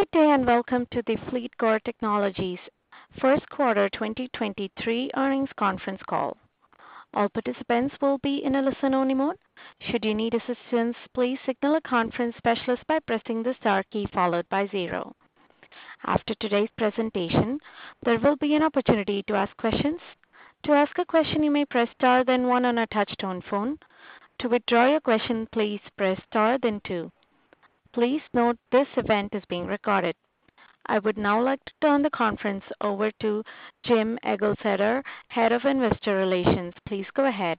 Good day, and welcome to the FLEETCOR Technologies First Quarter 2023 earnings conference call. All participants will be in a listen-only mode. Should you need assistance, please signal a conference specialist by pressing the star key followed by zero. After today's presentation, there will be an opportunity to ask questions. To ask a question, you may press star then one on a touch-tone phone. To withdraw your question, please press star then two. Please note this event is being recorded. I would now like to turn the conference over to Jim Egleseder, Head of Investor Relations. Please go ahead.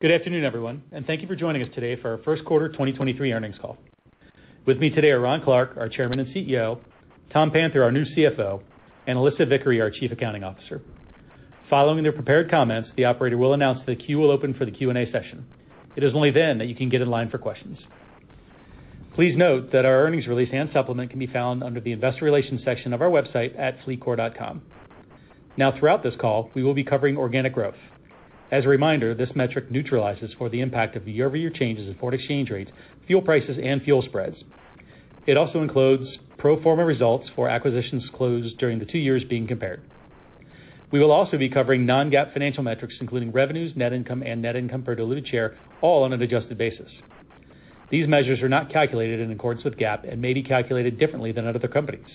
Good afternoon, everyone, and thank you for joining us today for our first quarter 2023 earnings call. With me today are Ron Clarke, our Chairman and CEO, Tom Panther, our new CFO, and Alissa Vickery, our Chief Accounting Officer. Following their prepared comments, the operator will announce that the queue will open for the Q&A session. It is only then that you can get in line for questions. Please note that our earnings release and supplement can be found under the Investor Relations section of our website at fleetcor.com. Throughout this call, we will be covering organic growth. As a reminder, this metric neutralizes for the impact of the year-over-year changes in foreign exchange rates, fuel prices, and fuel spreads. It also includes pro forma results for acquisitions closed during the two years being compared. We will also be covering non-GAAP financial metrics, including revenues, net income, and net income per diluted share, all on an adjusted basis. These measures are not calculated in accordance with GAAP and may be calculated differently than other companies.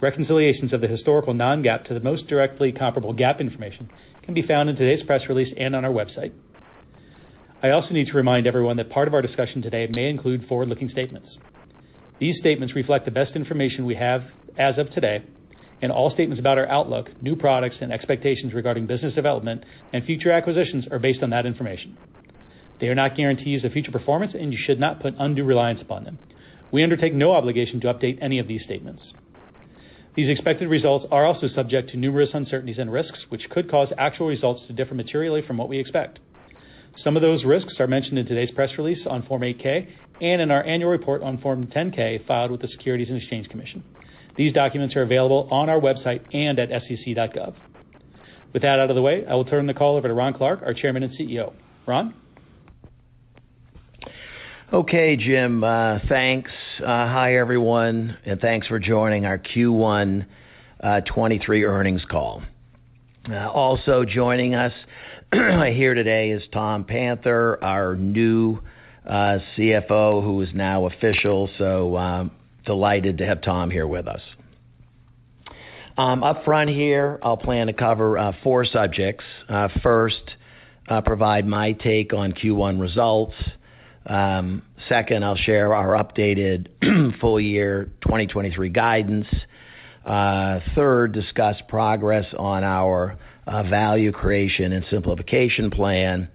Reconciliations of the historical non-GAAP to the most directly comparable GAAP information can be found in today's press release and on our website. I also need to remind everyone that part of our discussion today may include forward-looking statements. These statements reflect the best information we have as of today, and all statements about our outlook, new products, and expectations regarding business development and future acquisitions are based on that information. They are not guarantees of future performance, and you should not put undue reliance upon them. We undertake no obligation to update any of these statements. These expected results are also subject to numerous uncertainties and risks, which could cause actual results to differ materially from what we expect. Some of those risks are mentioned in today's press release on Form 8-K and in our annual report on Form 10-K filed with the Securities and Exchange Commission. These documents are available on our website and at sec.gov. With that out of the way, I will turn the call over to Ron Clarke, our Chairman and CEO. Ron? Okay, Jim. Thanks. Hi, everyone, and thanks for joining our Q1 2023 earnings call. Also joining us here today is Tom Panther, our new CFO, who is now official, so delighted to have Tom here with us. Up front here, I'll plan to cover four subjects. First, provide my take on Q1 results. Second, I'll share our updated full year 2023 guidance. Third, discuss progress on our value creation and simplification plan.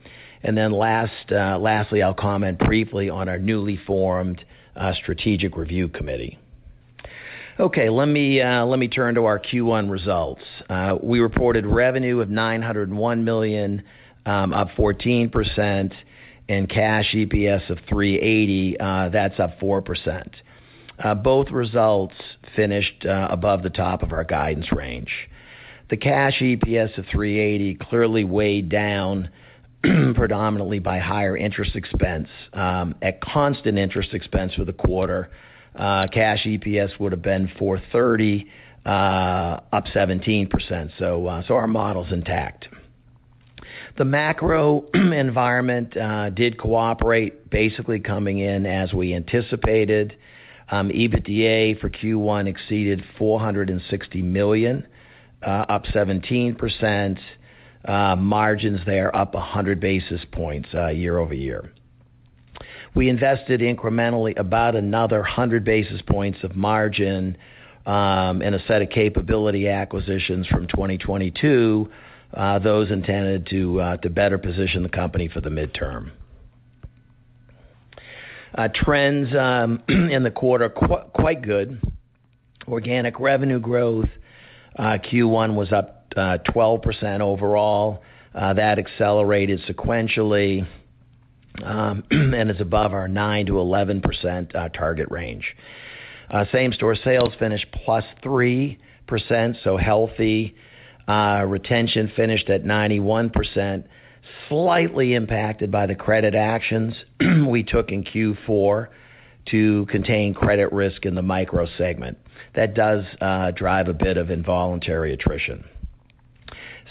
Last, lastly, I'll comment briefly on our newly formed strategic review committee. Okay, let me turn to our Q1 results. We reported revenue of $901 million, up 14% and cash EPS of $3.80, that's up 4%. Both results finished above the top of our guidance range. The cash EPS of $3.80 clearly weighed down predominantly by higher interest expense. At constant interest expense for the quarter, cash EPS would have been $4.30, up 17%. Our model's intact. The macro environment did cooperate, basically coming in as we anticipated. EBITDA for Q1 exceeded $460 million, up 17%. Margins there up 100 basis points year-over-year. We invested incrementally about another 100 basis points of margin in a set of capability acquisitions from 2022, those intended to better position the company for the midterm. Trends in the quarter, quite good. Organic revenue growth Q1 was up 12% overall. That accelerated sequentially and is above our 9%-11% target range. Same store sales finished +3%. Healthy. Retention finished at 91%, slightly impacted by the credit actions we took in Q4 to contain credit risk in the micro segment. That does drive a bit of involuntary attrition.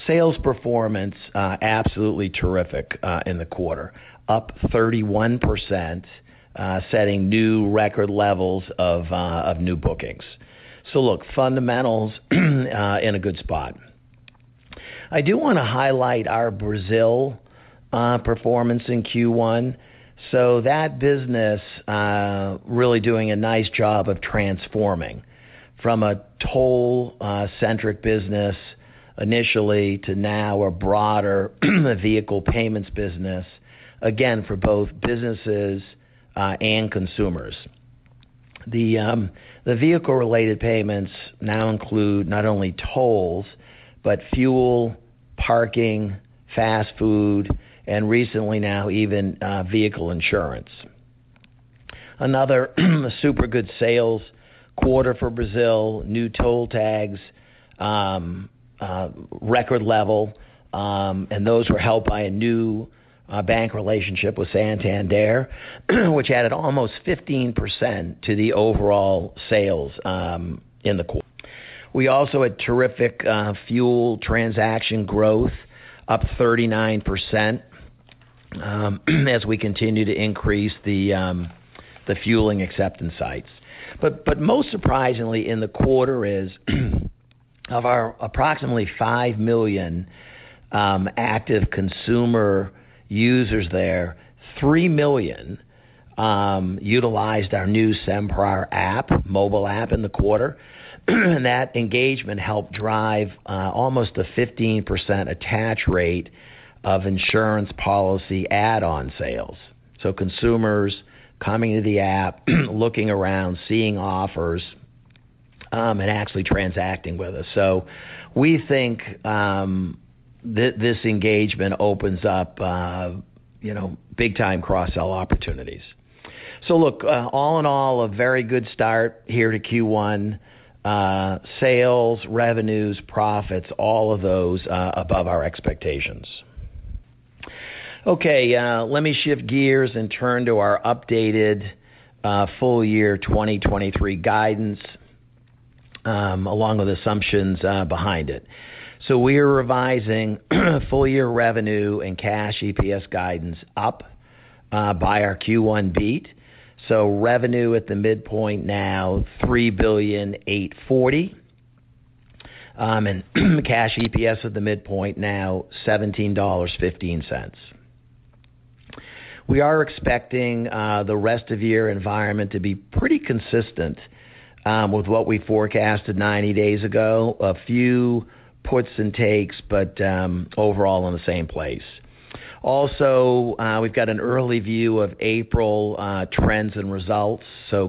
Sales performance, absolutely terrific in the quarter. Up 31%, setting new record levels of new bookings. Look, fundamentals in a good spot. I do wanna highlight our Brazil performance in Q1. That business really doing a nice job of transforming from a toll centric business initially to now a broader vehicle payments business, again for both businesses and consumers. The vehicle related payments now include not only tolls, but fuel, parking, fast food, and recently now even vehicle insurance. Another super good sales quarter for Brazil, new toll tags, record level, and those were helped by a new bank relationship with Santander, which added almost 15% to the overall sales in the quarter. We also had terrific fuel transaction growth, up 39%, as we continue to increase the fueling acceptance sites. Most surprisingly in the quarter is of our approximately 5 million active consumer users there, 3 million utilized our new Sem Parar app, mobile app in the quarter, and that engagement helped drive almost a 15% attach rate of insurance policy add-on sales. Consumers coming to the app, looking around, seeing offers, and actually transacting with us. We think this engagement opens up, you know, big time cross-sell opportunities. Look, all in all, a very good start here to Q1. Sales, revenues, profits, all of those above our expectations. Let me shift gears and turn to our updated full year 2023 guidance, along with assumptions behind it. We are revising full year revenue and cash EPS guidance up by our Q1 beat. Revenue at the midpoint now, $3.84 billion and cash EPS at the midpoint now $17.15. We are expecting the rest of year environment to be pretty consistent with what we forecasted 90 days ago. A few puts and takes, but overall in the same place. We've got an early view of April trends and results,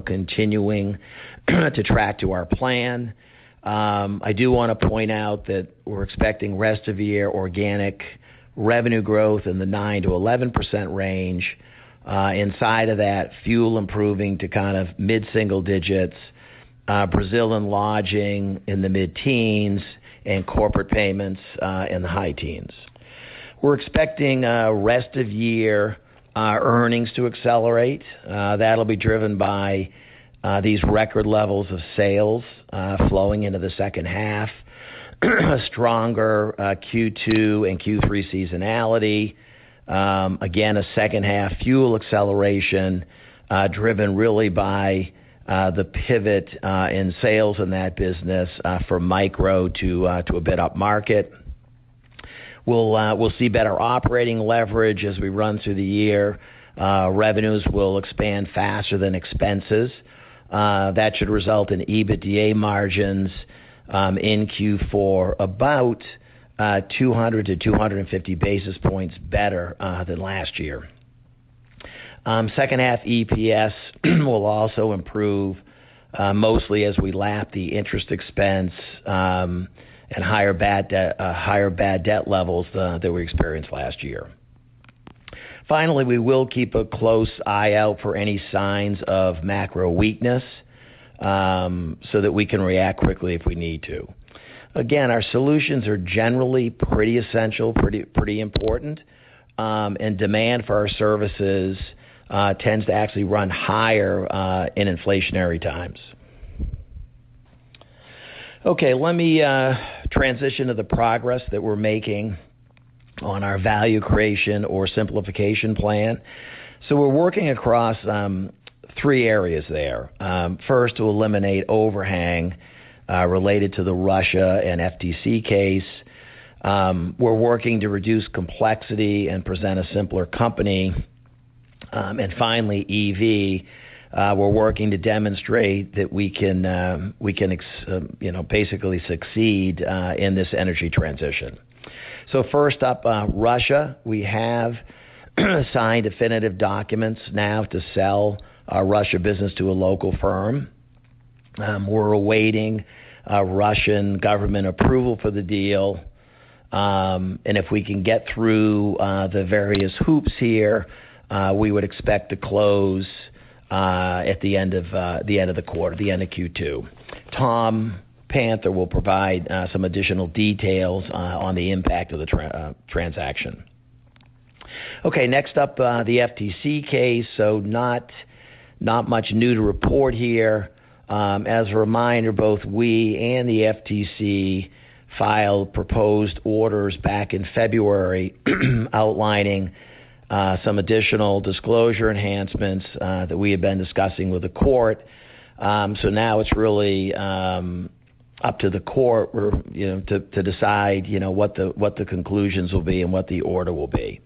continuing to track to our plan. I do wanna point out that we're expecting rest of the year organic revenue growth in the 9%-11% range. Inside of that, fuel improving to kind of mid-single digits, Brazil and lodging in the mid-teens and corporate payments in the high teens. We're expecting rest of year earnings to accelerate. That'll be driven by these record levels of sales, flowing into the second half, stronger Q2 and Q3 seasonality. Again, a second half fuel acceleration, driven really by the pivot in sales in that business, from micro to a bit upmarket. We'll see better operating leverage as we run through the year. Revenues will expand faster than expenses. That should result in EBITDA margins in Q4 about 200-250 basis points better than last year. Second half EPS will also improve mostly as we lap the interest expense and higher bad debt levels than we experienced last year. Finally, we will keep a close eye out for any signs of macro weakness so that we can react quickly if we need to. Again, our solutions are generally pretty essential, pretty important, and demand for our services tends to actually run higher in inflationary times. Let me transition to the progress that we're making on our value creation or simplification plan. We're working across three areas there. First, to eliminate overhang related to the Russia and FTC case. We're working to reduce complexity and present a simpler company. Finally, EV, we're working to demonstrate that we can You know, basically succeed in this energy transition. First up, Russia. We have signed definitive documents now to sell our Russia business to a local firm. We're awaiting Russian government approval for the deal. If we can get through the various hoops here, we would expect to close at the end of the end of the quarter, the end of Q2. Tom Panther will provide some additional details on the impact of the transaction. Next up, the FTC case. Not much new to report here. As a reminder, both we and the FTC filed proposed orders back in February outlining some additional disclosure enhancements that we had been discussing with the court. Now it's really up to the court or, you know, to decide, you know, what the conclusions will be and what the order will be.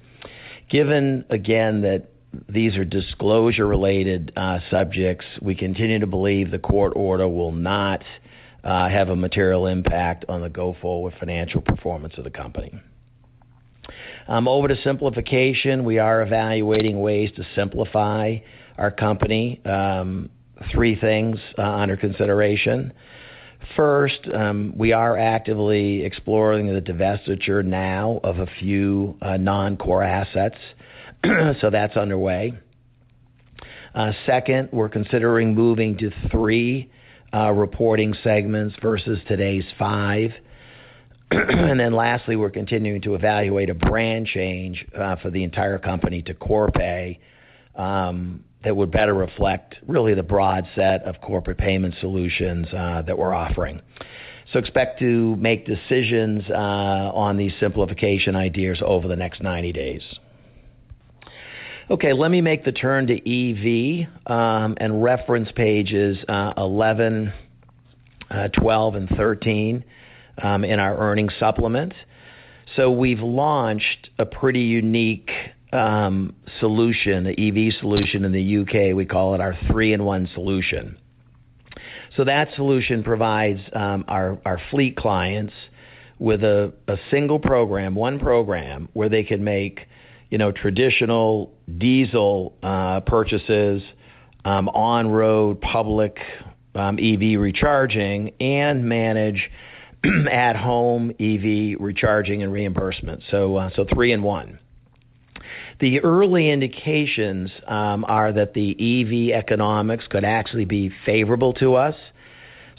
Given again that these are disclosure-related subjects, we continue to believe the court order will not have a material impact on the go-forward financial performance of the company. Over to simplification. We are evaluating ways to simplify our company. Three things under consideration. First, we are actively exploring the divestiture now of a few non-core assets, that's underway. Second, we're considering moving to three reporting segments versus today's five. Lastly, we're continuing to evaluate a brand change for the entire company to Corpay, that would better reflect really the broad set of corporate payment solutions that we're offering. Expect to make decisions on these simplification ideas over the next 90 days. Let me make the turn to EV and reference pages 11, 12, and 13 in our earnings supplement. We've launched a pretty unique solution, EV solution in the UK. We call it our three-in-one solution. That solution provides our fleet clients with a single program, one program where they can make, you know, traditional diesel purchases, on-road public EV recharging and manage at-home EV recharging and reimbursement. Three-in-one. The early indications are that the EV economics could actually be favorable to us.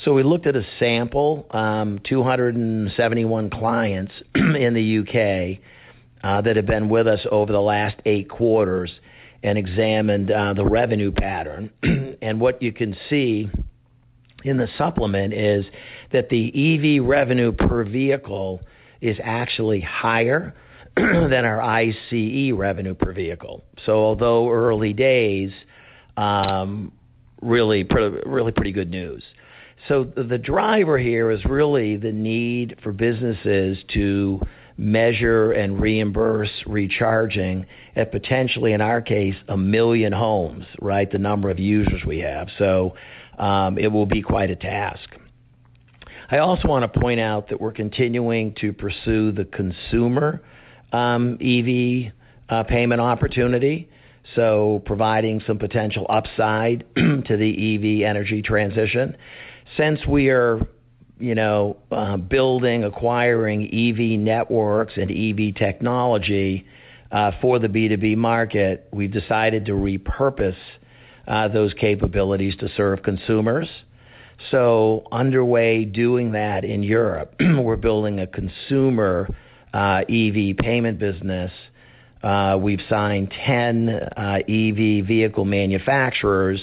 We looked at a sample, 271 clients in the UK, that have been with us over the last eight quarters and examined the revenue pattern. What you can see in the supplement is that the EV revenue per vehicle is actually higher than our ICE revenue per vehicle. Although early days, pretty good news. The driver here is really the need for businesses to measure and reimburse recharging at potentially, in our case, 1 million homes, right? The number of users we have. It will be quite a task. I also wanna point out that we're continuing to pursue the consumer EV payment opportunity, so providing some potential upside to the EV energy transition. Since we are, you know, building, acquiring EV networks and EV technology for the B2B market, we've decided to repurpose those capabilities to serve consumers. Underway doing that in Europe, we're building a consumer EV payment business. We've signed 10 EV vehicle manufacturers,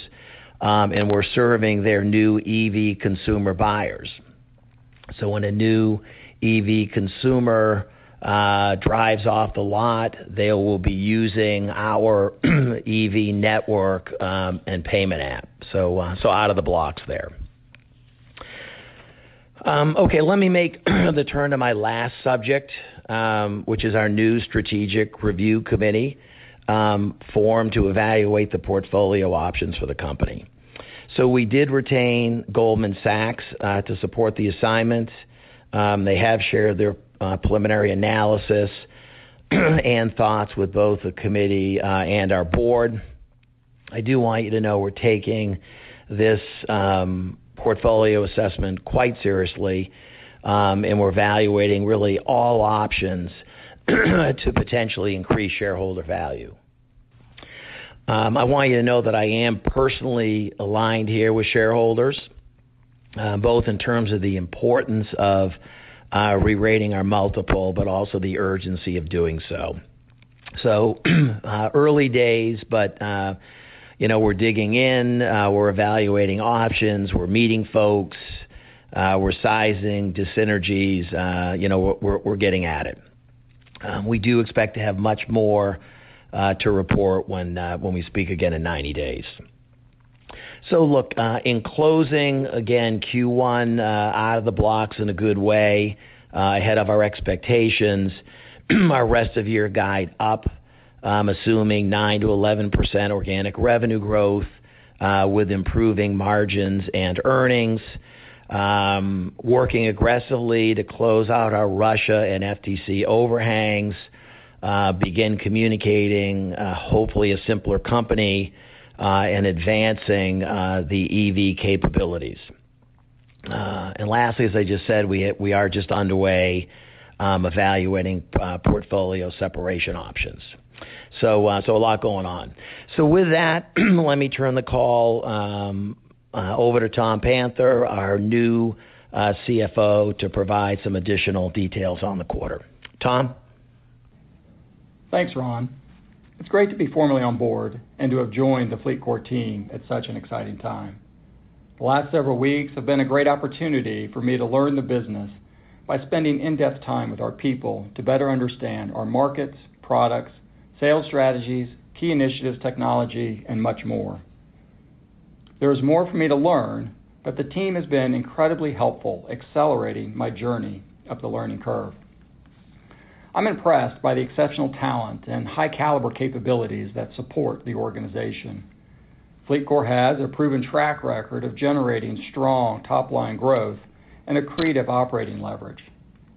and we're serving their new EV consumer buyers. When a new EV consumer drives off the lot, they will be using our EV network and payment app. Out of the blocks there. Okay, let me make the turn to my last subject, which is our new strategic review committee formed to evaluate the portfolio options for the company. We did retain Goldman Sachs to support the assignment. They have shared their preliminary analysis and thoughts with both the committee and our board. I do want you to know we're taking this portfolio assessment quite seriously, and we're evaluating really all options to potentially increase shareholder value. I want you to know that I am personally aligned here with shareholders, both in terms of the importance of rerating our multiple, but also the urgency of doing so. Early days, but, you know, we're digging in, we're evaluating options, we're meeting folks, we're sizing dis-synergies, you know, we're getting at it. We do expect to have much more to report when we speak again in 90 days. Look, in closing, again Q1, out of the blocks in a good way, ahead of our expectations. Our rest of year guide up, assuming 9%-11% organic revenue growth, with improving margins and earnings. Working aggressively to close out our Russia and FTC overhangs, begin communicating, hopefully a simpler company, and advancing the EV capabilities. And lastly, as I just said, we are just underway, evaluating portfolio separation options. A lot going on. With that, let me turn the call over to Tom Panther, our new CFO, to provide some additional details on the quarter. Tom? Thanks, Ron. It's great to be formally on board and to have joined the FLEETCOR team at such an exciting time. The last several weeks have been a great opportunity for me to learn the business by spending in-depth time with our people to better understand our markets, products, sales strategies, key initiatives, technology, and much more. There is more for me to learn, but the team has been incredibly helpful accelerating my journey up the learning curve. I'm impressed by the exceptional talent and high caliber capabilities that support the organization. FLEETCOR has a proven track record of generating strong top-line growth and accretive operating leverage,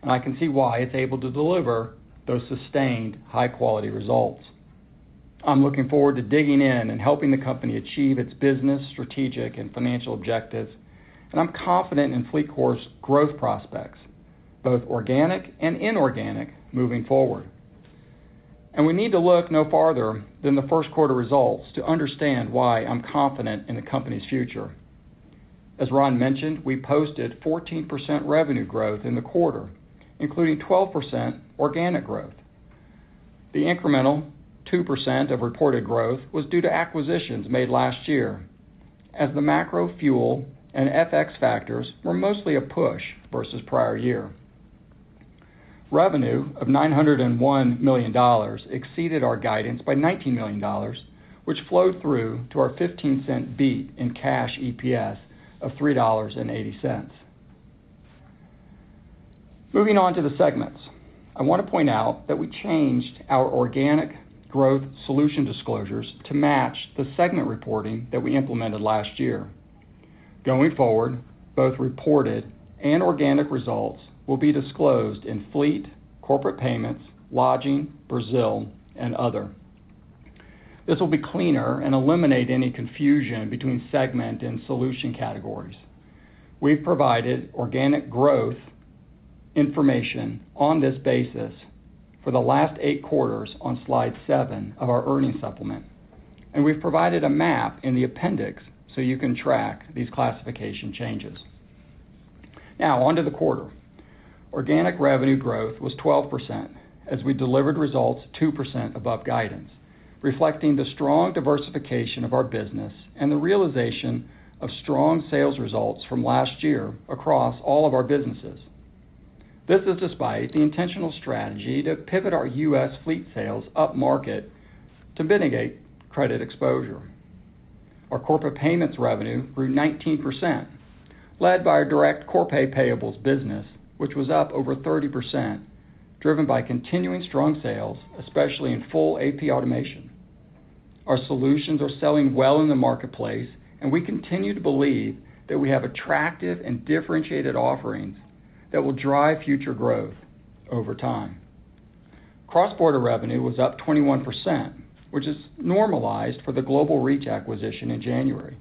and I can see why it's able to deliver those sustained high-quality results. I'm looking forward to digging in and helping the company achieve its business, strategic, and financial objectives. I'm confident in FLEETCOR's growth prospects, both organic and inorganic, moving forward. We need to look no farther than the first quarter results to understand why I'm confident in the company's future. As Ron mentioned, we posted 14% revenue growth in the quarter, including 12% organic growth. The incremental 2% of reported growth was due to acquisitions made last year, as the macro fuel and FX factors were mostly a push versus prior year. Revenue of $901 million exceeded our guidance by $19 million, which flowed through to our $0.15 beat in cash EPS of $3.80. Moving on to the segments. I wanna point out that we changed our organic growth solution disclosures to match the segment reporting that we implemented last year. Going forward, both reported and organic results will be disclosed in Fleet, Corporate Payments, Lodging, Brazil, and other. This will be cleaner and eliminate any confusion between segment and solution categories. We've provided organic growth information on this basis for the last eight quarters on slide seven of our earnings supplement, and we've provided a map in the appendix so you can track these classification changes. Now on to the quarter. Organic revenue growth was 12%, as we delivered results 2% above guidance, reflecting the strong diversification of our business and the realization of strong sales results from last year across all of our businesses. This is despite the intentional strategy to pivot our U.S. fleet sales upmarket to mitigate credit exposure. Our corporate payments revenue grew 19%, led by our direct Corpay payables business, which was up over 30%, driven by continuing strong sales, especially in full AP automation. Our solutions are selling well in the marketplace, and we continue to believe that we have attractive and differentiated offerings that will drive future growth over time. Cross-border revenue was up 21%, which is normalized for the Global Reach acquisition in January.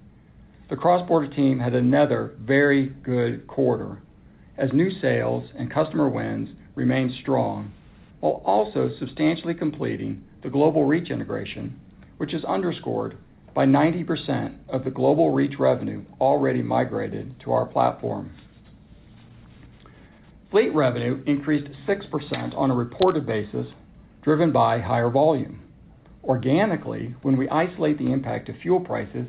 The cross-border team had another very good quarter as new sales and customer wins remained strong, while also substantially completing the Global Reach integration, which is underscored by 90% of the Global Reach revenue already migrated to our platform. Fleet revenue increased 6% on a reported basis, driven by higher volume. Organically, when we isolate the impact of fuel prices,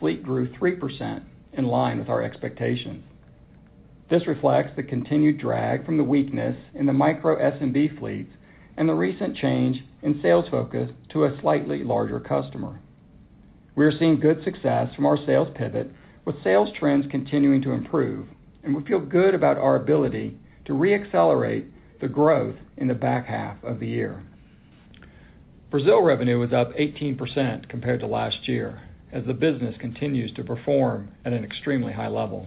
Fleet grew 3% in line with our expectations. This reflects the continued drag from the weakness in the micro SMB fleets and the recent change in sales focus to a slightly larger customer. We are seeing good success from our sales pivot with sales trends continuing to improve, and we feel good about our ability to re-accelerate the growth in the back half of the year. Brazil revenue was up 18% compared to last year as the business continues to perform at an extremely high level.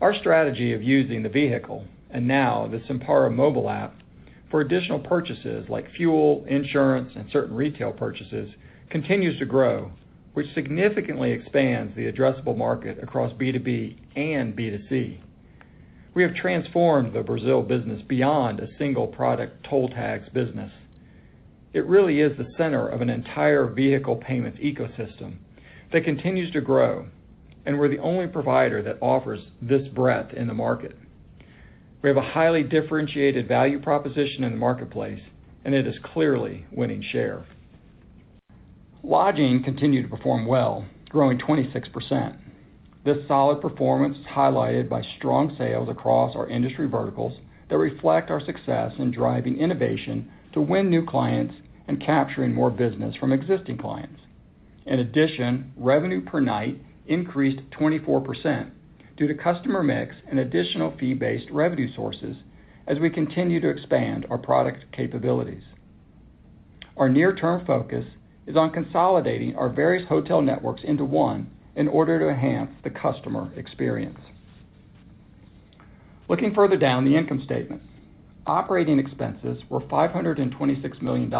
Our strategy of using the vehicle, and now the Sem Parar mobile app for additional purchases like fuel, insurance, and certain retail purchases continues to grow, which significantly expands the addressable market across B2B and B2C. We have transformed the Brazil business beyond a single product toll tags business. It really is the center of an entire vehicle payments ecosystem that continues to grow, and we're the only provider that offers this breadth in the market. We have a highly differentiated value proposition in the marketplace, and it is clearly winning share. Lodging continued to perform well, growing 26%. This solid performance is highlighted by strong sales across our industry verticals that reflect our success in driving innovation to win new clients and capturing more business from existing clients. In addition, revenue per night increased 24% due to customer mix and additional fee-based revenue sources as we continue to expand our product capabilities. Our near-term focus is on consolidating our various hotel networks into one in order to enhance the customer experience. Looking further down the income statement. Operating expenses were $526 million,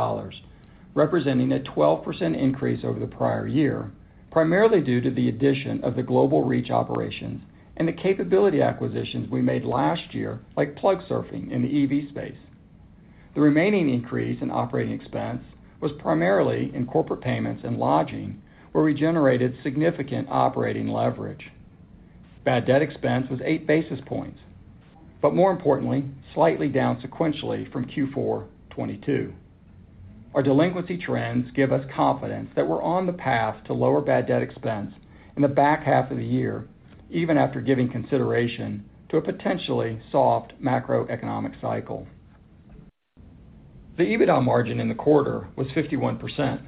representing a 12% increase over the prior year, primarily due to the addition of the Global Reach operations and the capability acquisitions we made last year, like Plugsurfing in the EV space. The remaining increase in operating expense was primarily in Corpay and lodging, where we generated significant operating leverage. Bad debt expense was 8 basis points, but more importantly, slightly down sequentially from Q4 2022. Our delinquency trends give us confidence that we're on the path to lower bad debt expense in the back half of the year, even after giving consideration to a potentially soft macroeconomic cycle. The EBITDA margin in the quarter was 51%,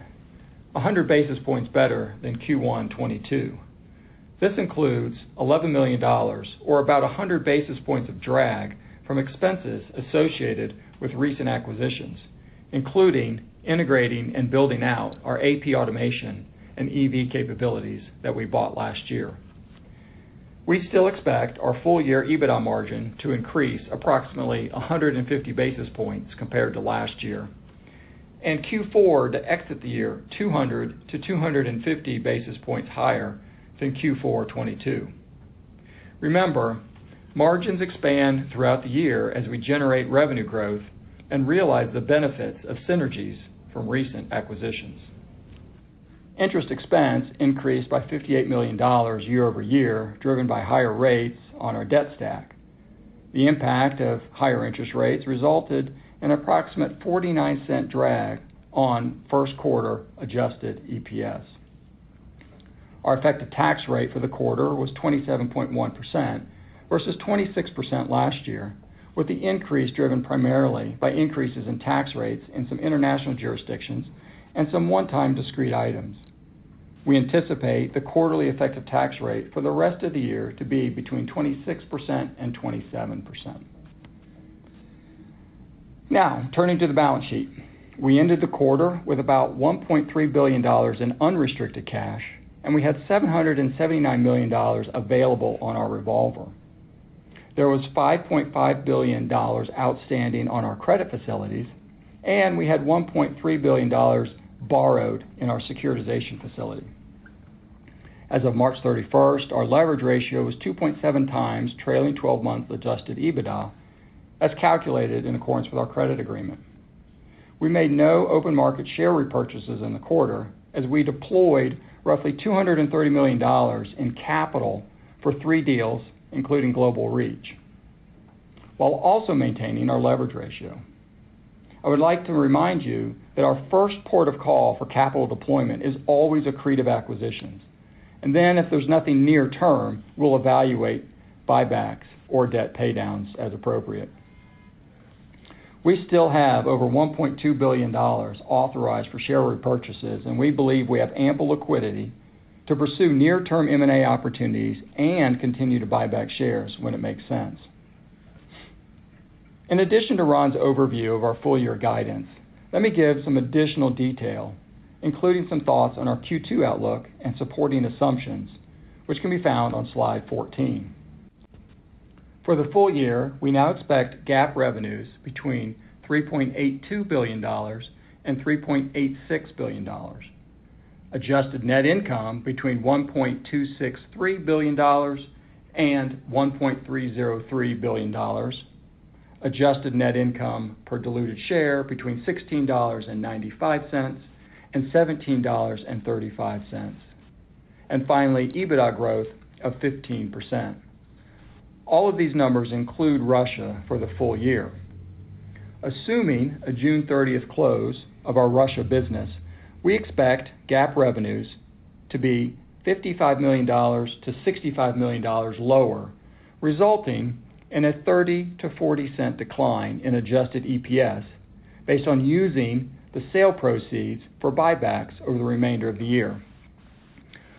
100 basis points better than Q1 2022. This includes $11 million or about 100 basis points of drag from expenses associated with recent acquisitions, including integrating and building out our AP automation and EV capabilities that we bought last year. We still expect our full-year EBITDA margin to increase approximately 150 basis points compared to last year, and Q4 to exit the year 200-250 basis points higher than Q4 2022. Remember, margins expand throughout the year as we generate revenue growth and realize the benefits of synergies from recent acquisitions. Interest expense increased by $58 million year-over-year, driven by higher rates on our debt stack. The impact of higher interest rates resulted in approximate $0.49 drag on first quarter adjusted EPS. Our effective tax rate for the quarter was 27.1% versus 26% last year, with the increase driven primarily by increases in tax rates in some international jurisdictions and some one-time discrete items. We anticipate the quarterly effective tax rate for the rest of the year to be between 26% and 27%. Turning to the balance sheet. We ended the quarter with about $1.3 billion in unrestricted cash, and we had $779 million available on our revolver. There was $5.5 billion outstanding on our credit facilities, and we had $1.3 billion borrowed in our Securitization Facility. As of March 31st, our leverage ratio was 2.7x trailing 12-month adjusted EBITDA, as calculated in accordance with our credit agreement. We made no open market share repurchases in the quarter as we deployed roughly $230 million in capital for three deals, including Global Reach, while also maintaining our leverage ratio. I would like to remind you that our first port of call for capital deployment is always accretive acquisitions. Then if there's nothing near term, we'll evaluate buybacks or debt paydowns as appropriate. We still have over $1.2 billion authorized for share repurchases. We believe we have ample liquidity to pursue near-term M&A opportunities and continue to buy back shares when it makes sense. In addition to Ron's overview of our full year guidance, let me give some additional detail, including some thoughts on our Q2 outlook and supporting assumptions, which can be found on slide 14. For the full year, we now expect GAAP revenues between $3.82 billion-$3.86 billion. Adjusted net income between $1.263 billion and $1.303 billion. Adjusted net income per diluted share between $16.95 and $17.35. Finally, EBITDA growth of 15%. All of these numbers include Russia for the full year. Assuming a June 30th close of our Russia business, we expect GAAP revenues to be $55 million-$65 million lower, resulting in a $0.30-$0.40 decline in adjusted EPS based on using the sale proceeds for buybacks over the remainder of the year.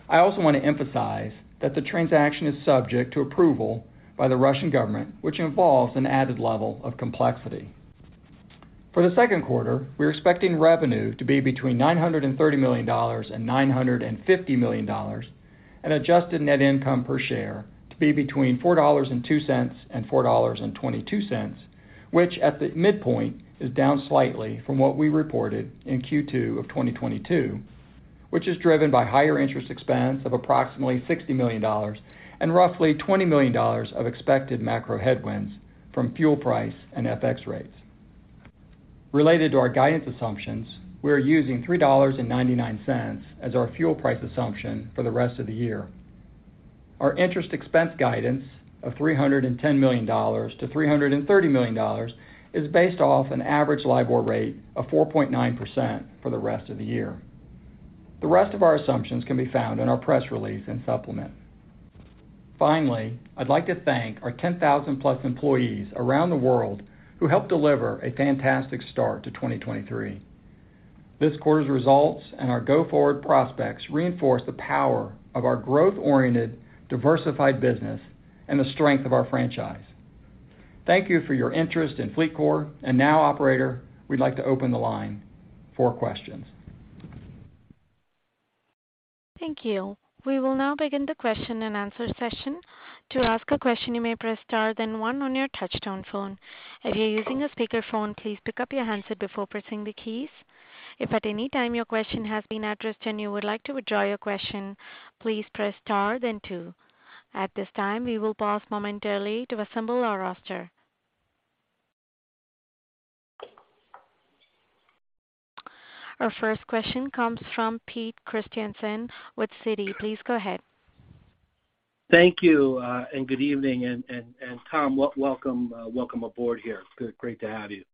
I also want to emphasize that the transaction is subject to approval by the Russian government, which involves an added level of complexity. For the second quarter, we're expecting revenue to be between $930 million and $950 million, and adjusted net income per share to be between $4.02 and $4.22, which at the midpoint is down slightly from what we reported in Q2 of 2022, which is driven by higher interest expense of approximately $60 million and roughly $20 million of expected macro headwinds from fuel price and FX rates. Related to our guidance assumptions, we are using $3.99 as our fuel price assumption for the rest of the year. Our interest expense guidance of $310 million to $330 million is based off an average LIBOR rate of 4.9% for the rest of the year. The rest of our assumptions can be found in our press release and supplement. Finally, I'd like to thank our 10,000 plus employees around the world who helped deliver a fantastic start to 2023. This quarter's results and our go-forward prospects reinforce the power of our growth-oriented, diversified business and the strength of our franchise. Thank you for your interest in FLEETCOR. Now, operator, we'd like to open the line for questions. Thank you. We will now begin the question and answer session. To ask a question, you may press star then one on your touch-tone phone. If you're using a speakerphone, please pick up your handset before pressing the keys. If at any time your question has been addressed and you would like to withdraw your question, please press star then two. At this time, we will pause momentarily to assemble our roster. Our first question comes from Peter Christiansen with Citi. Please go ahead. Thank you. Good evening. Tom, welcome aboard here. It's great to have you.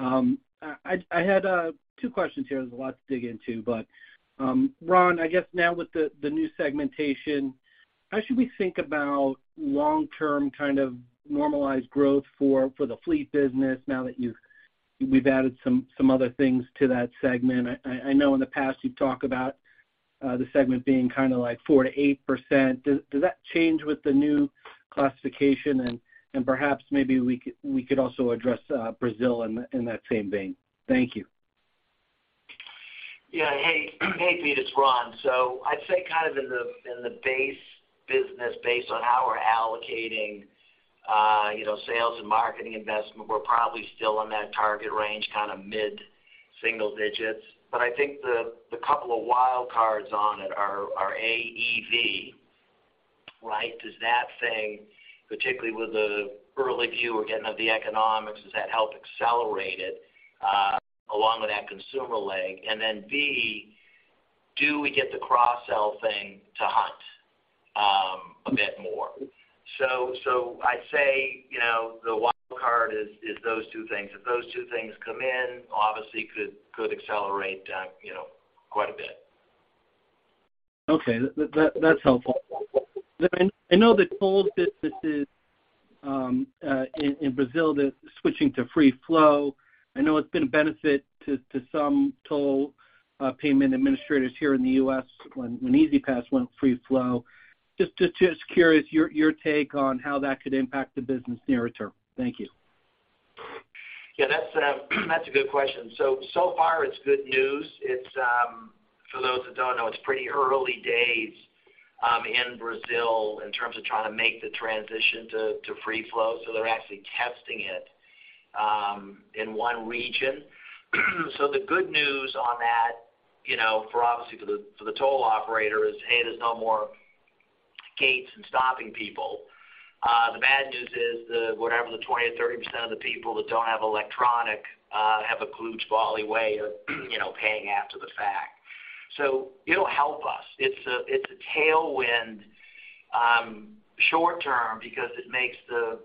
I had two questions here. There's a lot to dig into. Ron, I guess now with the new segmentation, how should we think about long-term kind of normalized growth for the fleet business now that we've added some other things to that segment? I know in the past you've talked about the segment being kind of like 4%-8%. Does that change with the new classification? Perhaps maybe we could also address Brazil in that same vein. Thank you. Yeah. Hey, hey, Pete, it's Ron. I'd say kind of in the, in the base business based on how we're allocating, you know, sales and marketing investment, we're probably still in that target range, kind of mid-single digits. I think the couple of wild cards on it are AEV, right? Does that thing, particularly with the early view we're getting of the economics, does that help accelerate it along with that consumer leg? B, do we get the cross-sell thing to hunt a bit more? I'd say, you know, the wild card is those two things. If those two things come in, obviously could accelerate, you know, quite a bit. Okay. That's helpful. I know the toll businesses in Brazil, they're switching to free flow. I know it's been a benefit to some toll payment administrators here in the U.S. when E-ZPass went free flow. Just curious your take on how that could impact the business near term. Thank you. Yeah, that's a good question. So far it's good news. It's for those that don't know, it's pretty early days in Brazil in terms of trying to make the transition to free flow, so they're actually testing it in one region. The good news on that, you know, for obviously for the toll operator is, hey, there's no more gates and stopping people. The bad news is the whatever the 20% or 30% of the people that don't have electronic, have a kludge bally way of, you know, paying after the fact. It'll help us. It's a tailwind short term because it makes the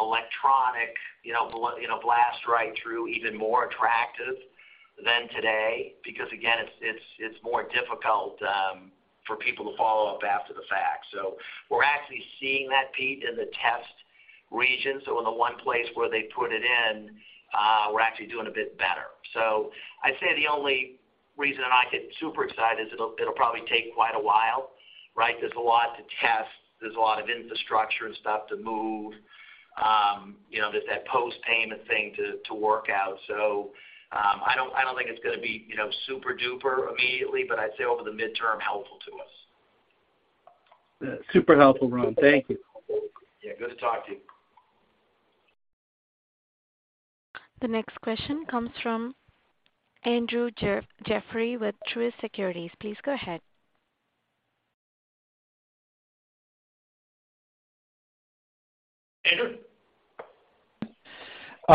electronic, you know, blast right through even more attractive than today because again it's more difficult for people to follow up after the fact. We're actually seeing that, Pete, in the test region. In the one place where they put it in, we're actually doing a bit better. I'd say the only reason I'm not getting super excited is it'll probably take quite a while, right? There's a lot to test. There's a lot of infrastructure and stuff to move. You know, there's that post-payment thing to work out. I don't think it's gonna be, you know, super-duper immediately, but I'd say over the midterm, helpful to us. Yeah. Super helpful, Ron. Thank you. Yeah, good to talk to you. The next question comes from Andrew Jeffrey with Truist Securities. Please go ahead.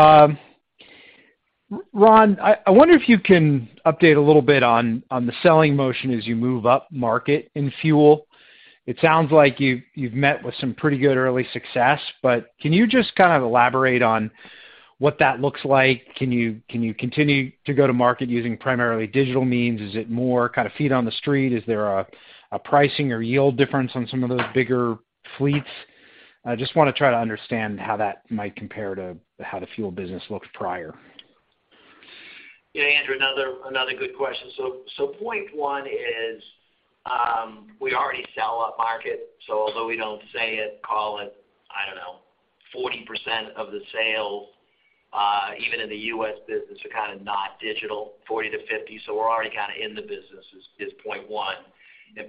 Andrew? Ron, I wonder if you can update a little bit on the selling motion as you move up market in fuel. It sounds like you've met with some pretty good early success. Can you just kind of elaborate on what that looks like? Can you continue to go to market using primarily digital means? Is it more kind of feet on the street? Is there a pricing or yield difference on some of those bigger fleets? I just wanna try to understand how that might compare to how the fuel business looked prior. Yeah, Andrew, another good question. Point one is, we already sell upmarket. Although we don't say it, call it, I don't know, 40% of the sales, even in the U.S. business are kinda not digital, 40-50, we're already kinda in the business is point one.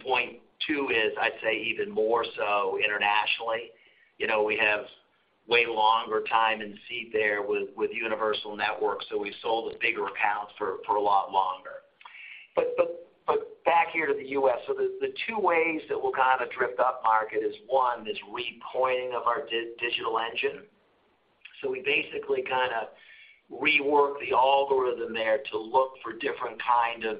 Point two is, I'd say even more so internationally, you know, we have way longer time in seat there with universal networks, we sold the bigger accounts for a lot longer. Back here to the U.S., the two ways that we'll kind of drift upmarket is one, this repointing of our digital engine. We basically kinda rework the algorithm there to look for different kind of,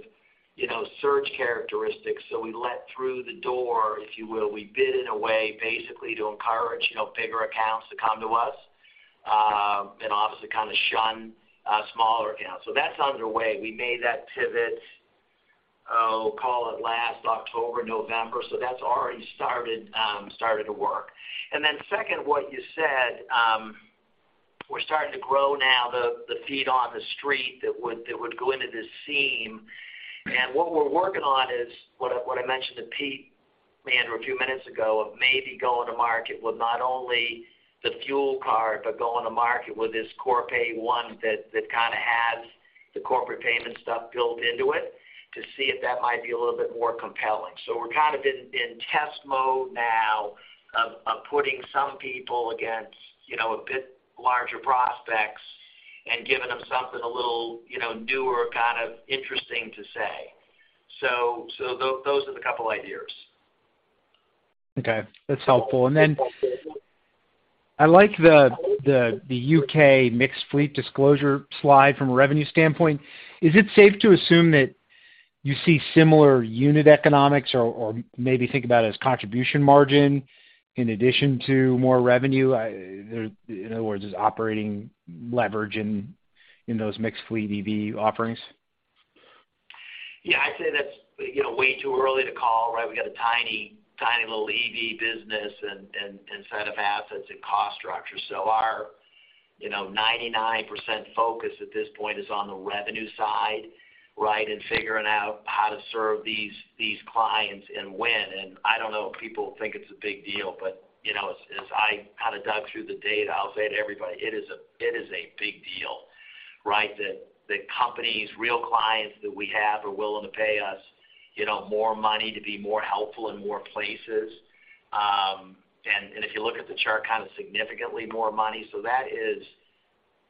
you know, search characteristics. We let through the door, if you will, we bid in a way basically to encourage, you know, bigger accounts to come to us, and obviously kind of shun smaller accounts. That's underway. We made that pivot, oh, call it last October, November. That's already started to work. Second, what you said, we're starting to grow now the feet on the street that would go into this seam. What we're working on is what I mentioned to Pete, Andrew, a few minutes ago of maybe going to market with not only the fuel card, but going to market with this Corpay One that kinda has the corporate payment stuff built into it, to see if that might be a little bit more compelling. We're kind of in test mode now of putting some people against, you know, a bit larger prospects and giving them something a little, you know, newer, kind of interesting to say. Those are the couple ideas. Okay. That's helpful. Then I like the, the UK mixed fleet disclosure slide from a revenue standpoint. Is it safe to assume that you see similar unit economics or maybe think about it as contribution margin in addition to more revenue? In other words, is operating leverage in those mixed fleet EV offerings? Yeah, I'd say that's, you know, way too early to call, right? We got a tiny little EV business and set of assets and cost structure. Our, you know, 99% focus at this point is on the revenue side, right? Figuring out how to serve these clients and when, and I don't know if people think it's a big deal, but, you know, as I kind of dug through the data, I'll say to everybody, it is a big deal, right? The company's real clients that we have are willing to pay us, you know, more money to be more helpful in more places. And if you look at the chart, kind of significantly more money. That is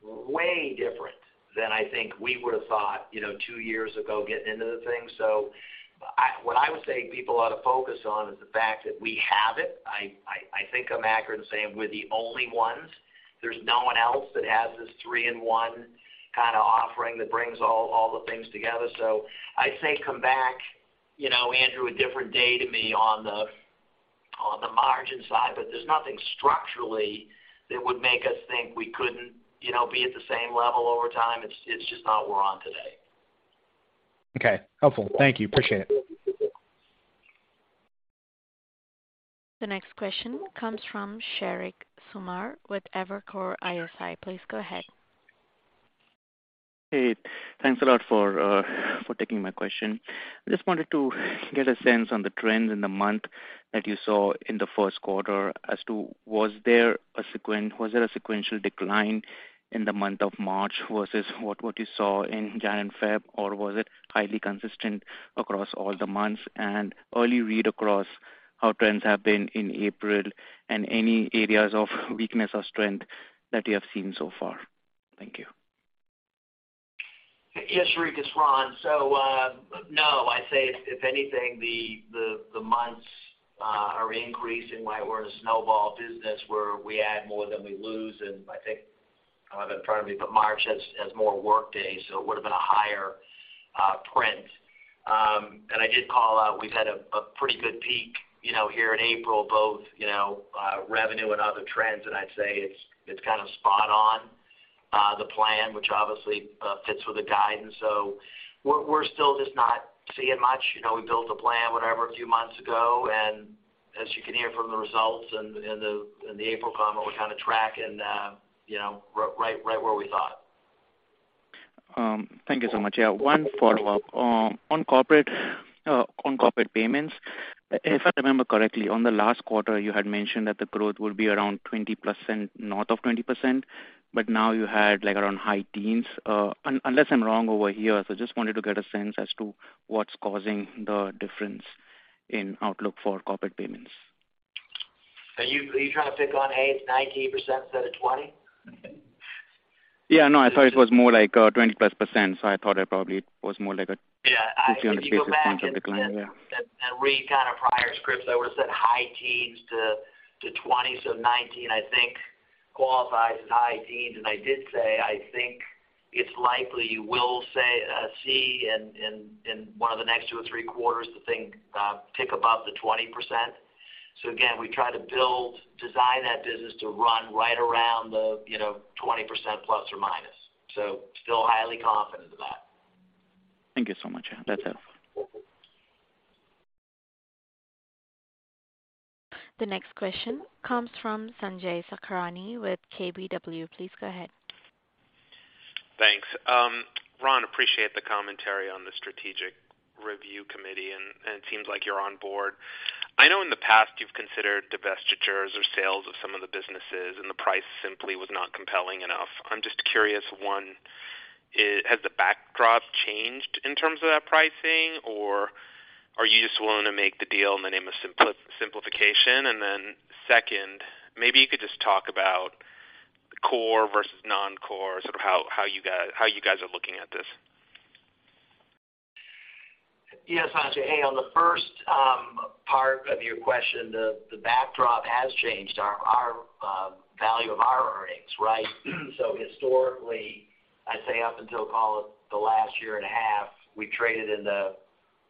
way different than I think we would have thought, you know, two years ago getting into the thing. What I would say people ought to focus on is the fact that we have it. I think I'm accurate in saying we're the only ones. There's no one else that has this three-in-one kind of offering that brings all the things together. I say come back, you know, Andrew, a different day to me on the, on the margin side. There's nothing structurally that would make us think we couldn't, you know, be at the same level over time. It's, it's just not where we're on today. Okay. Helpful. Thank you. Appreciate it. The next question comes from Sheriq Sumar with Evercore ISI. Please go ahead. Hey, thanks a lot for taking my question. I just wanted to get a sense on the trends in the month that you saw in the first quarter as to was there a sequential decline in the month of March versus what you saw in January and February, or was it highly consistent across all the months? Early read across how trends have been in April and any areas of weakness or strength that you have seen so far. Thank you. Yes, Sheriq, it's Ron. No, I'd say if anything, the months are increasing. We're in a snowball business where we add more than we lose. I think, I don't have it in front of me, but March has more work days, so it would have been a higher print. I did call out, we've had a pretty good peak, you know, here in April, both, you know, revenue and other trends. I'd say it's kind of spot on the plan, which obviously fits with the guidance. We're still just not seeing much. You know, we built a plan, whatever, a few months ago, and as you can hear from the results in the April comment, we're kind of tracking, you know, right where we thought. Thank you so much. Yeah, one follow-up. On corporate payments, if I remember correctly, on the last quarter, you had mentioned that the growth will be around 20%+, north of 20%, but now you had like around high teens, unless I'm wrong over here. I just wanted to get a sense as to what's causing the difference in outlook for corporate payments. Are you trying to pick on, hey, it's 19% instead of 20%? no, I thought it was more like, 20%+, I thought it probably was more like. 200 basis points of decline. Yeah. If you go back and read kind of prior scripts, I would have said high teens to 20. 19, I think qualifies as high teens. I did say I think it's likely you will see in one of the next two or three quarters the thing tick above the 20%. Again, we try to build, design that business to run right around the, you know, 20% plus or minus. Still highly confident in that. Thank you so much. Yeah, that helps. The next question comes from Sanjay Sakhrani with KBW. Please go ahead. Thanks. Ron, appreciate the commentary on the strategic review committee, and it seems like you're on board. I know in the past you've considered divestitures or sales of some of the businesses, and the price simply was not compelling enough. I'm just curious, one, has the backdrop changed in terms of that pricing, or are you just willing to make the deal in the name of simplification? Second, maybe you could just talk about core versus non-core, sort of how you guys are looking at this. Yes, Sanjay. Hey, on the first part of your question, the backdrop has changed our value of our earnings, right? Historically, I'd say up until call it the last year and a half, we traded in the,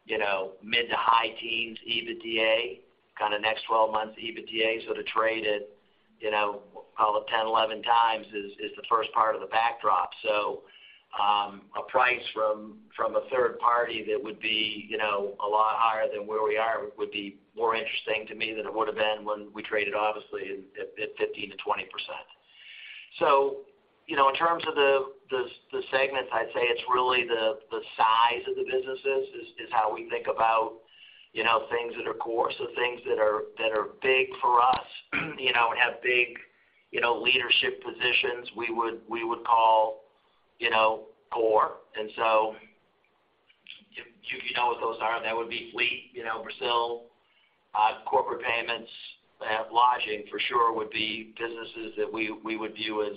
you know, mid to high teens EBITDA, kind of next 12 months EBITDA. To trade it, you know, call it 10x, 11x is the first part of the backdrop. A price from a third party that would be, you know, a lot higher than where we are would be more interesting to me than it would have been when we traded obviously at 15%-20%. In terms of the segments, I'd say it's really the size of the businesses is how we think about, you know, things that are core. Things that are big for us, you know, and have big, you know, leadership positions, we would call, you know, core. You know what those are. That would be Fleet, you know, Brazil, corporate payments. Lodging for sure would be businesses that we would view as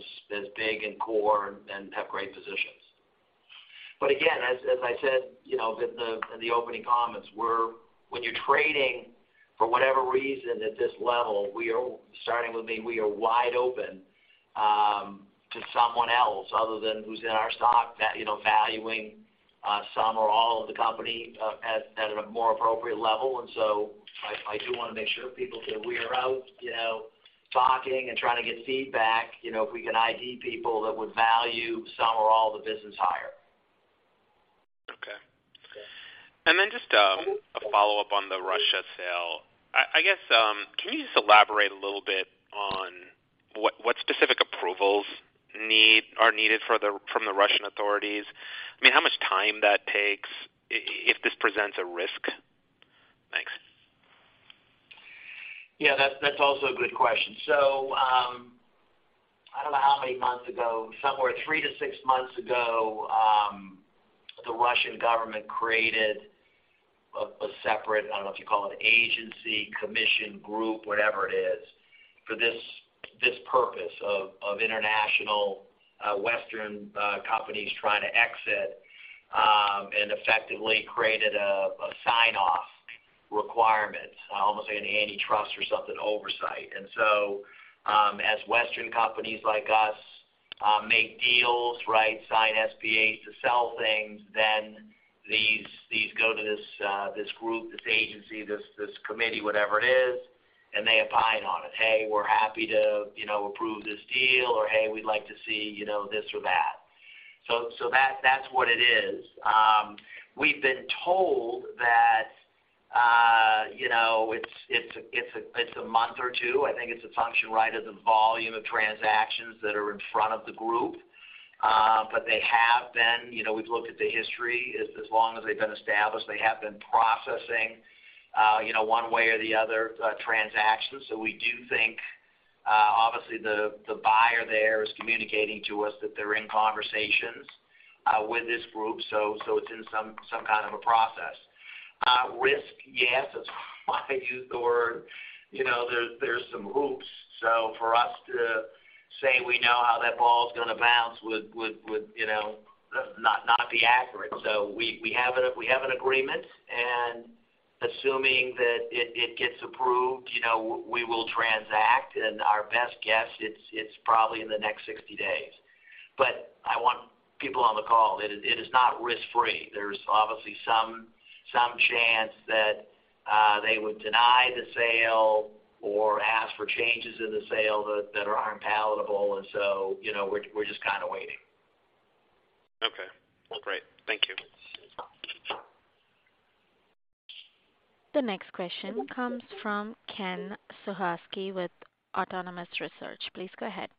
big and core and have great positions. Again, as I said, you know, in the opening comments, when you're trading for whatever reason at this level, we are, starting with me, we are wide open to someone else other than who's in our stock, you know, valuing, some or all of the company at a more appropriate level. I do wanna make sure people know we are out, you know, talking and trying to get feedback, you know, if we can ID people that would value some or all of the business higher. Okay. Just a follow-up on the Russia sale. I guess, can you just elaborate a little bit on what specific approvals are needed from the Russian authorities? I mean, how much time that takes if this presents a risk? Thanks. Yeah, that's also a good question. I don't know how many months ago, somewhere three to six months ago, the Russian government created a separate, I don't know if you call it agency, commission, group, whatever it is, for this purpose of international Western companies trying to exit, and effectively created a sign-off requirement, almost like an antitrust or something oversight. As Western companies like us, make deals, right, sign SPAs to sell things, then these go to this group, this agency, this committee, whatever it is, and they opine on it. "Hey, we're happy to, you know, approve this deal," or, "Hey, we'd like to see, you know, this or that." That's what it is. We've been told that, you know, it's a month or two. I think it's a function, right, of the volume of transactions that are in front of the group. They have been, you know, we've looked at the history. As long as they've been established, they have been processing, you know, one way or the other, transactions. We do think, obviously the buyer there is communicating to us that they're in conversations with this group. It's in some kind of a process. Risk, yes, that's why I used the word. You know, there's some hoops. For us to say we know how that ball's gonna bounce would, you know, not be accurate. We have an agreement, and assuming that it gets approved, you know, we will transact. Our best guess, it's probably in the next 60 days. I want people on the call, it is not risk-free. There's obviously some chance that they would deny the sale or ask for changes in the sale that aren't palatable. You know, we're just kind of waiting. Okay. Great. Thank you. The next question comes from Ken Suchoski with Autonomous Research. Please go ahead.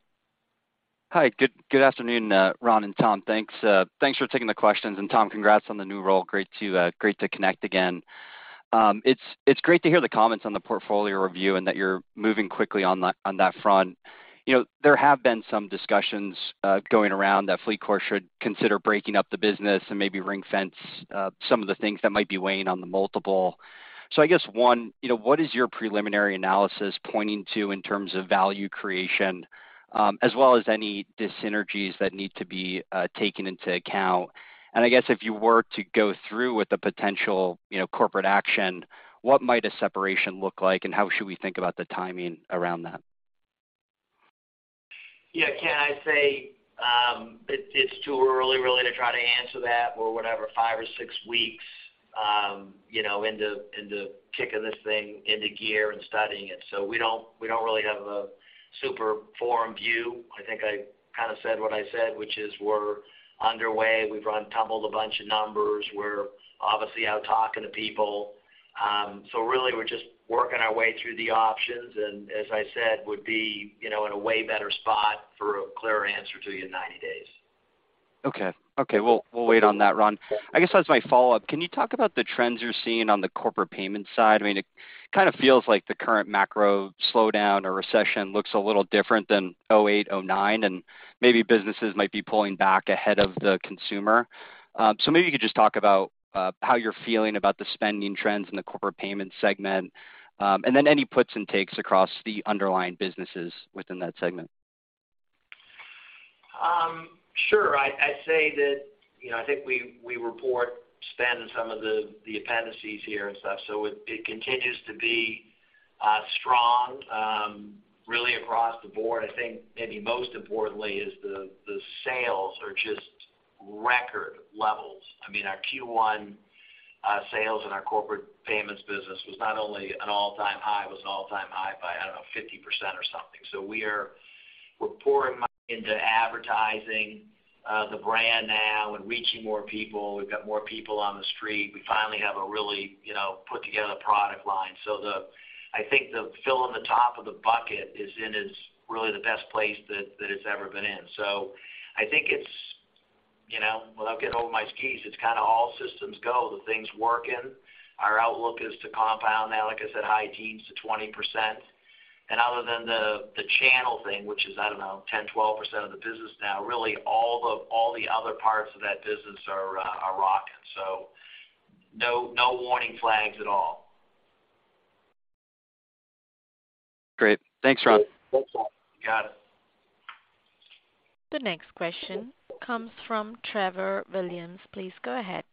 Hi. Good afternoon, Ron and Tom. Thanks for taking the questions. Tom, congrats on the new role. Great to connect again. It's great to hear the comments on the portfolio review and that you're moving quickly on that front. You know, there have been some discussions going around that FLEETCOR should consider breaking up the business and maybe ring-fence some of the things that might be weighing on the multiple. I guess, one, you know, what is your preliminary analysis pointing to in terms of value creation, as well as any dyssynergies that need to be taken into account? I guess if you were to go through with the potential, you know, corporate action, what might a separation look like, and how should we think about the timing around that? Yeah, Ken, I'd say, it's too early really to try to answer that. We're, whatever, five or six weeks, you know, into kicking this thing into gear and studying it. We don't really have a super formed view. I think I kind of said what I said, which is we're underway. We've run, tumbled a bunch of numbers. We're obviously out talking to people. Really we're just working our way through the options. As I said, would be, you know, in a way better spot for a clearer answer to you in 90 days. Okay. Okay. We'll, we'll wait on that, Ron. I guess as my follow-up, can you talk about the trends you're seeing on the corporate payment side? I mean, it kind of feels like the current macro slowdown or recession looks a little different than 2008, 2009, and maybe businesses might be pulling back ahead of the consumer. Maybe you could just talk about how you're feeling about the spending trends in the corporate payment segment, and then any puts and takes across the underlying businesses within that segment. Sure. I'd say that, you know, I think we report spend in some of the appendices here and stuff, so it continues to be strong, really across the board. I think maybe most importantly is the sales are just record levels. I mean, our Q1 sales in our corporate payments business was not only an all-time high, it was an all-time high by, I don't know, 50% or something. We're pouring money into advertising the brand now and reaching more people. We've got more people on the street. We finally have a really, you know, put together product line. I think the fill in the top of the bucket is in its really the best place that it's ever been in. I think it's, you know, without getting over my skis, it's kind of all systems go. The thing's working. Our outlook is to compound now, like I said, high teens to 20%. Other than the channel thing, which is, I don't know, 10%, 12% of the business now, really all the, all the other parts of that business are rocking. No, no warning flags at all. Great. Thanks, Ron. Thanks, Ken. Got it. The next question comes from Trevor Williams. Please go ahead.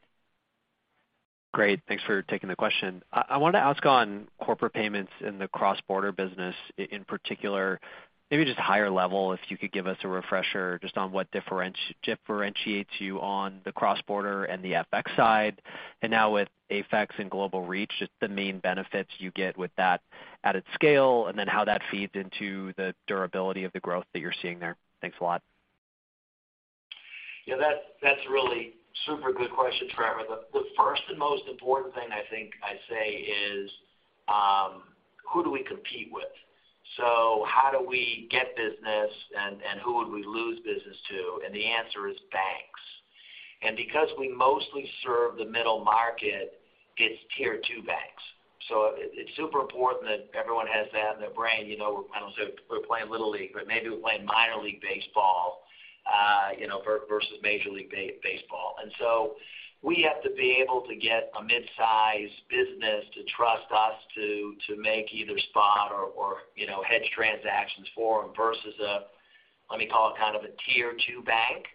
Great. Thanks for taking the question. I wanted to ask on corporate payments in the cross-border business in particular, maybe just higher level, if you could give us a refresher just on what differentiates you on the cross-border and the FX side. Now with AFEX and Global Reach, just the main benefits you get with that at its scale, and then how that feeds into the durability of the growth that you're seeing there? Thanks a lot. Yeah, that's really super good question, Trevor. The first and most important thing I think I'd say is, who do we compete with? How do we get business and who would we lose business to? The answer is banks. Because we mostly serve the middle market, it's tier two banks. It's super important that everyone has that in their brain. You know, I don't say we're playing little league, but maybe we're playing minor league baseball, you know, versus Major League baseball. We have to be able to get a mid-size business to trust us to make either spot or, you know, hedge transactions for them versus a, let me call it kind of a tier two bank.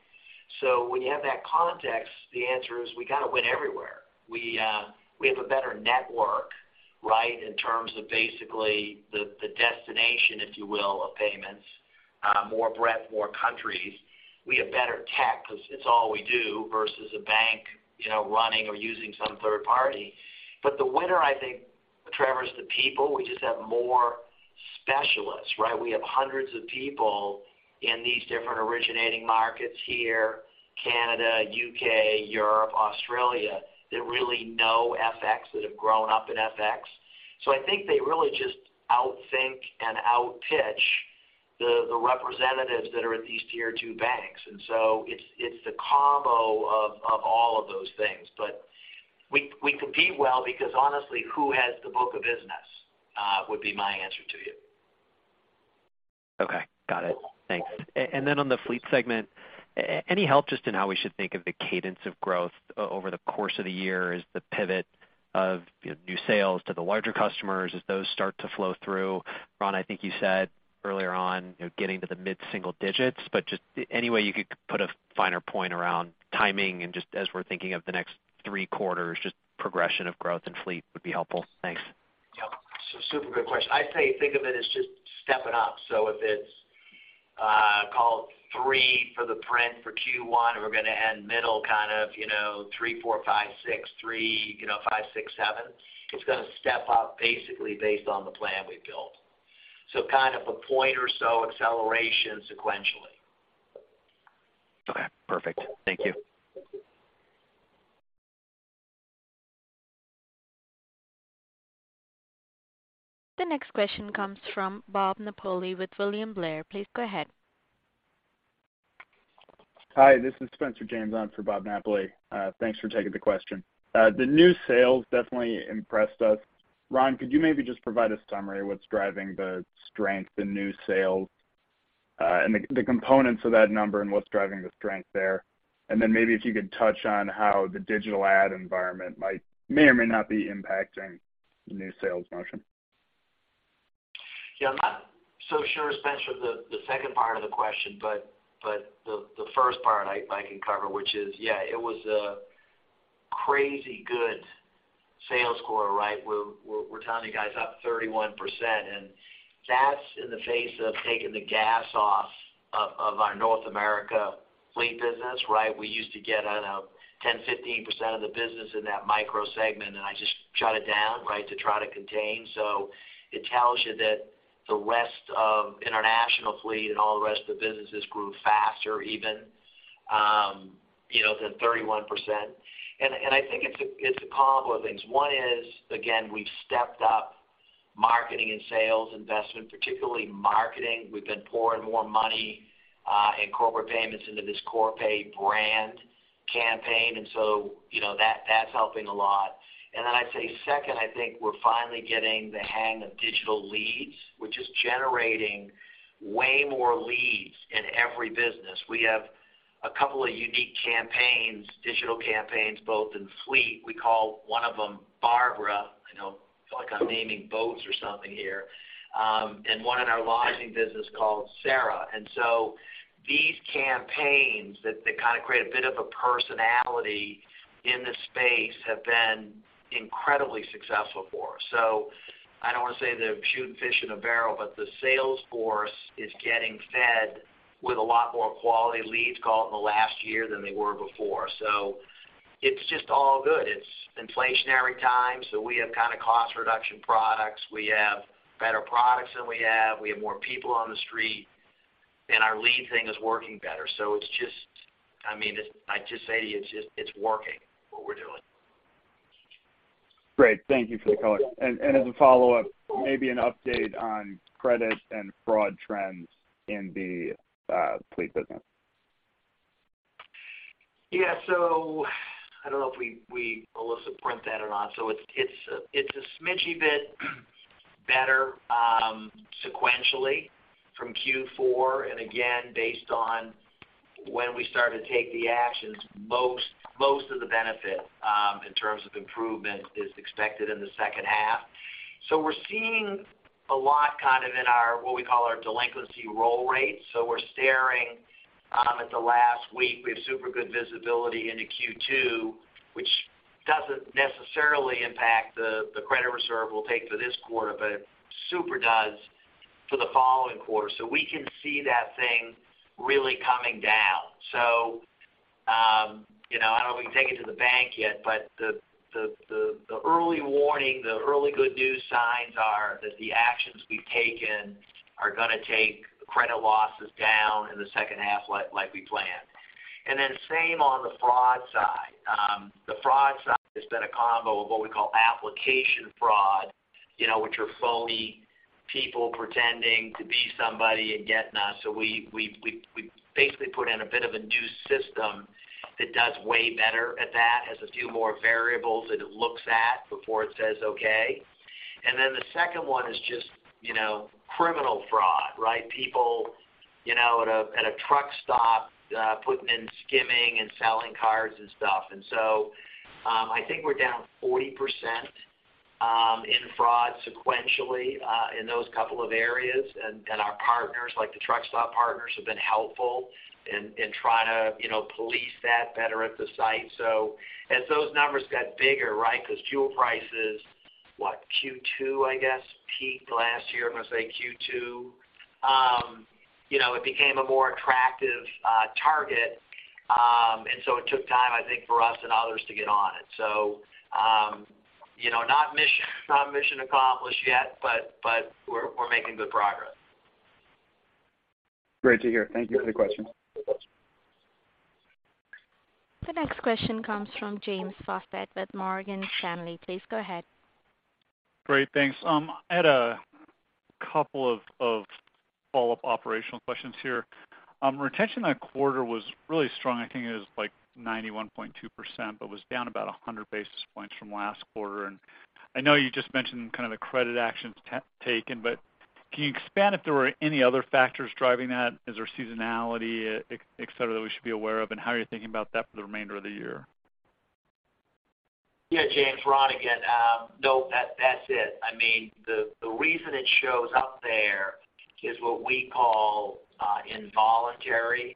When you have that context, the answer is we gotta win everywhere. We have a better network, right, in terms of basically the destination, if you will, of payments, more breadth, more countries. We have better tech because it's all we do versus a bank, you know, running or using some third party. The winner, I think, Trevor, is the people. We just have more specialists, right? We have hundreds of people in these different originating markets here, Canada, U.K., Europe, Australia, that really know FX, that have grown up in FX. I think they really just outthink and outpitch the representatives that are at these tier two banks. It's, it's the combo of all of those things. We, we compete well because honestly, who has the book of business, would be my answer to you. Okay. Got it. Thanks. On the fleet segment, any help just in how we should think of the cadence of growth over the course of the year as the pivot of, you know, new sales to the larger customers as those start to flow through? Ron, I think you said earlier on, you know, getting to the mid-single digits, just any way you could put a finer point around timing and just as we're thinking of the next three quarters, just progression of growth in fleet would be helpful. Thanks. Yeah. Super good question. I'd say think of it as just stepping up. If it's, call it three for the print for Q1, and we're gonna end middle kind of, you know, three, four, five, six, three, you know, five, six, seven. It's gonna step up basically based on the plan we've built. Kind of a point or so acceleration sequentially. Okay. Perfect. Thank you. The next question comes from Bob Napoli with William Blair. Please go ahead. Hi, this is Spencer Janzon for Bob Napoli. Thanks for taking the question. The new sales definitely impressed us. Ron, could you maybe just provide a summary of what's driving the strength, the new sales, and the components of that number and what's driving the strength there? Maybe if you could touch on how the digital ad environment may or may not be impacting the new sales motion. Yeah. I'm not so sure, Spencer, the second part of the question, but the first part I can cover, which is, yeah, it was a crazy good sales quarter, right? We're telling you guys up 31%, and that's in the face of taking the gas off of our North America fleet business, right? We used to get, I don't know, 10%-15% of the business in that micro segment, and I just shut it down, right, to try to contain. It tells you that the rest of international fleet and all the rest of the businesses grew faster even, you know, than 31%. I think it's a combo of things. One is, again, we've stepped up marketing and sales investment, particularly marketing. We've been pouring more money in corporate payments into this Corpay brand campaign. You know, that's helping a lot. Then I'd say second, I think we're finally getting the hang of digital leads, which is generating way more leads in every business. We have a couple of unique campaigns, digital campaigns, both in fleet. We call one of them Barbara. I know, I feel like I'm naming boats or something here. And one in our lodging business called Sarah. These campaigns that kind of create a bit of a personality in this space have been incredibly successful for us. I don't want to say they're shooting fish in a barrel, but the sales force is getting fed with a lot more quality leads, call it in the last year, than they were before. It's just all good. It's inflationary times. We have kind of cost reduction products. We have better products than we had. We have more people on the street, and our lead thing is working better. I mean, I just say to you, it's just, it's working, what we're doing. Great. Thank you for the color. As a follow-up, maybe an update on credit and fraud trends in the fleet business. Yeah. I don't know if we, Alissa, print that or not. It's a smidgy bit better sequentially from Q4. Again, based on when we started to take the actions, most of the benefit in terms of improvement is expected in the second half. We're seeing a lot kind of in our, what we call our delinquency roll rate. We're staring at the last week. We have super good visibility into Q2, which doesn't necessarily impact the credit reserve we'll take for this quarter, but it super does for the following quarter. We can see that thing really coming down. You know, I don't know if we can take it to the bank yet, but the early warning, the early good news signs are that the actions we've taken are gonna take credit losses down in the second half like we planned. Then same on the fraud side. The fraud side has been a combo of what we call application fraud, you know, which are phony people pretending to be somebody and getting us. We basically put in a bit of a new system that does way better at that. Has a few more variables that it looks at before it says okay. Then the second one is just, you know, criminal fraud, right? People, you know, at a truck stop, putting in skimming and selling cards and stuff. I think we're down 40% in fraud sequentially in those couple of areas. Our partners, like the truck stop partners, have been helpful in trying to, you know, police that better at the site. As those numbers got bigger, right, because fuel prices, what, Q2, I guess, peaked last year, I'm gonna say Q2. You know, it became a more attractive target. It took time, I think, for us and others to get on it. You know, not mission accomplished yet, but we're making good progress. Great to hear. Thank you. Good question. The next question comes from James Faucette with Morgan Stanley. Please go ahead. Great. Thanks. I had a couple of follow-up operational questions here. Retention that quarter was really strong. I think it was like 91.2%, but was down about 100 basis points from last quarter. I know you just mentioned kind of the credit actions taken, but can you expand if there were any other factors driving that? Is there seasonality, et cetera, that we should be aware of? How are you thinking about that for the remainder of the year? Yeah, James, Ron again. No, that's it. I mean, the reason it shows up there is what we call involuntary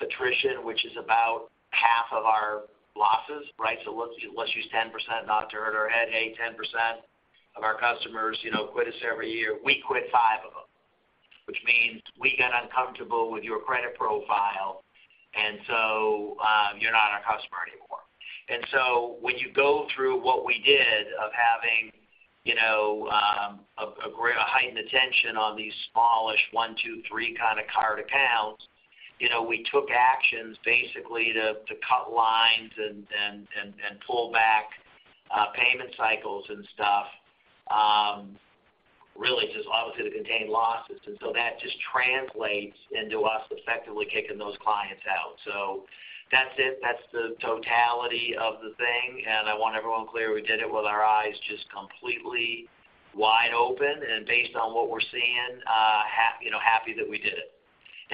attrition, which is about half of our losses, right? Let's use 10% not to hurt our head. Hey, 10% of our customers, you know, quit us every year. We quit five of them, which means we got uncomfortable with your credit profile, you're not our customer anymore. When you go through what we did of having, you know, a heightened attention on these smallish one, two, three, kind of card accounts, you know, we took actions basically to cut lines and pull back payment cycles and stuff, really just obviously to contain losses. That just translates into us effectively kicking those clients out. That's it. That's the totality of the thing. I want everyone clear, we did it with our eyes just completely wide open. Based on what we're seeing, you know, happy that we did it.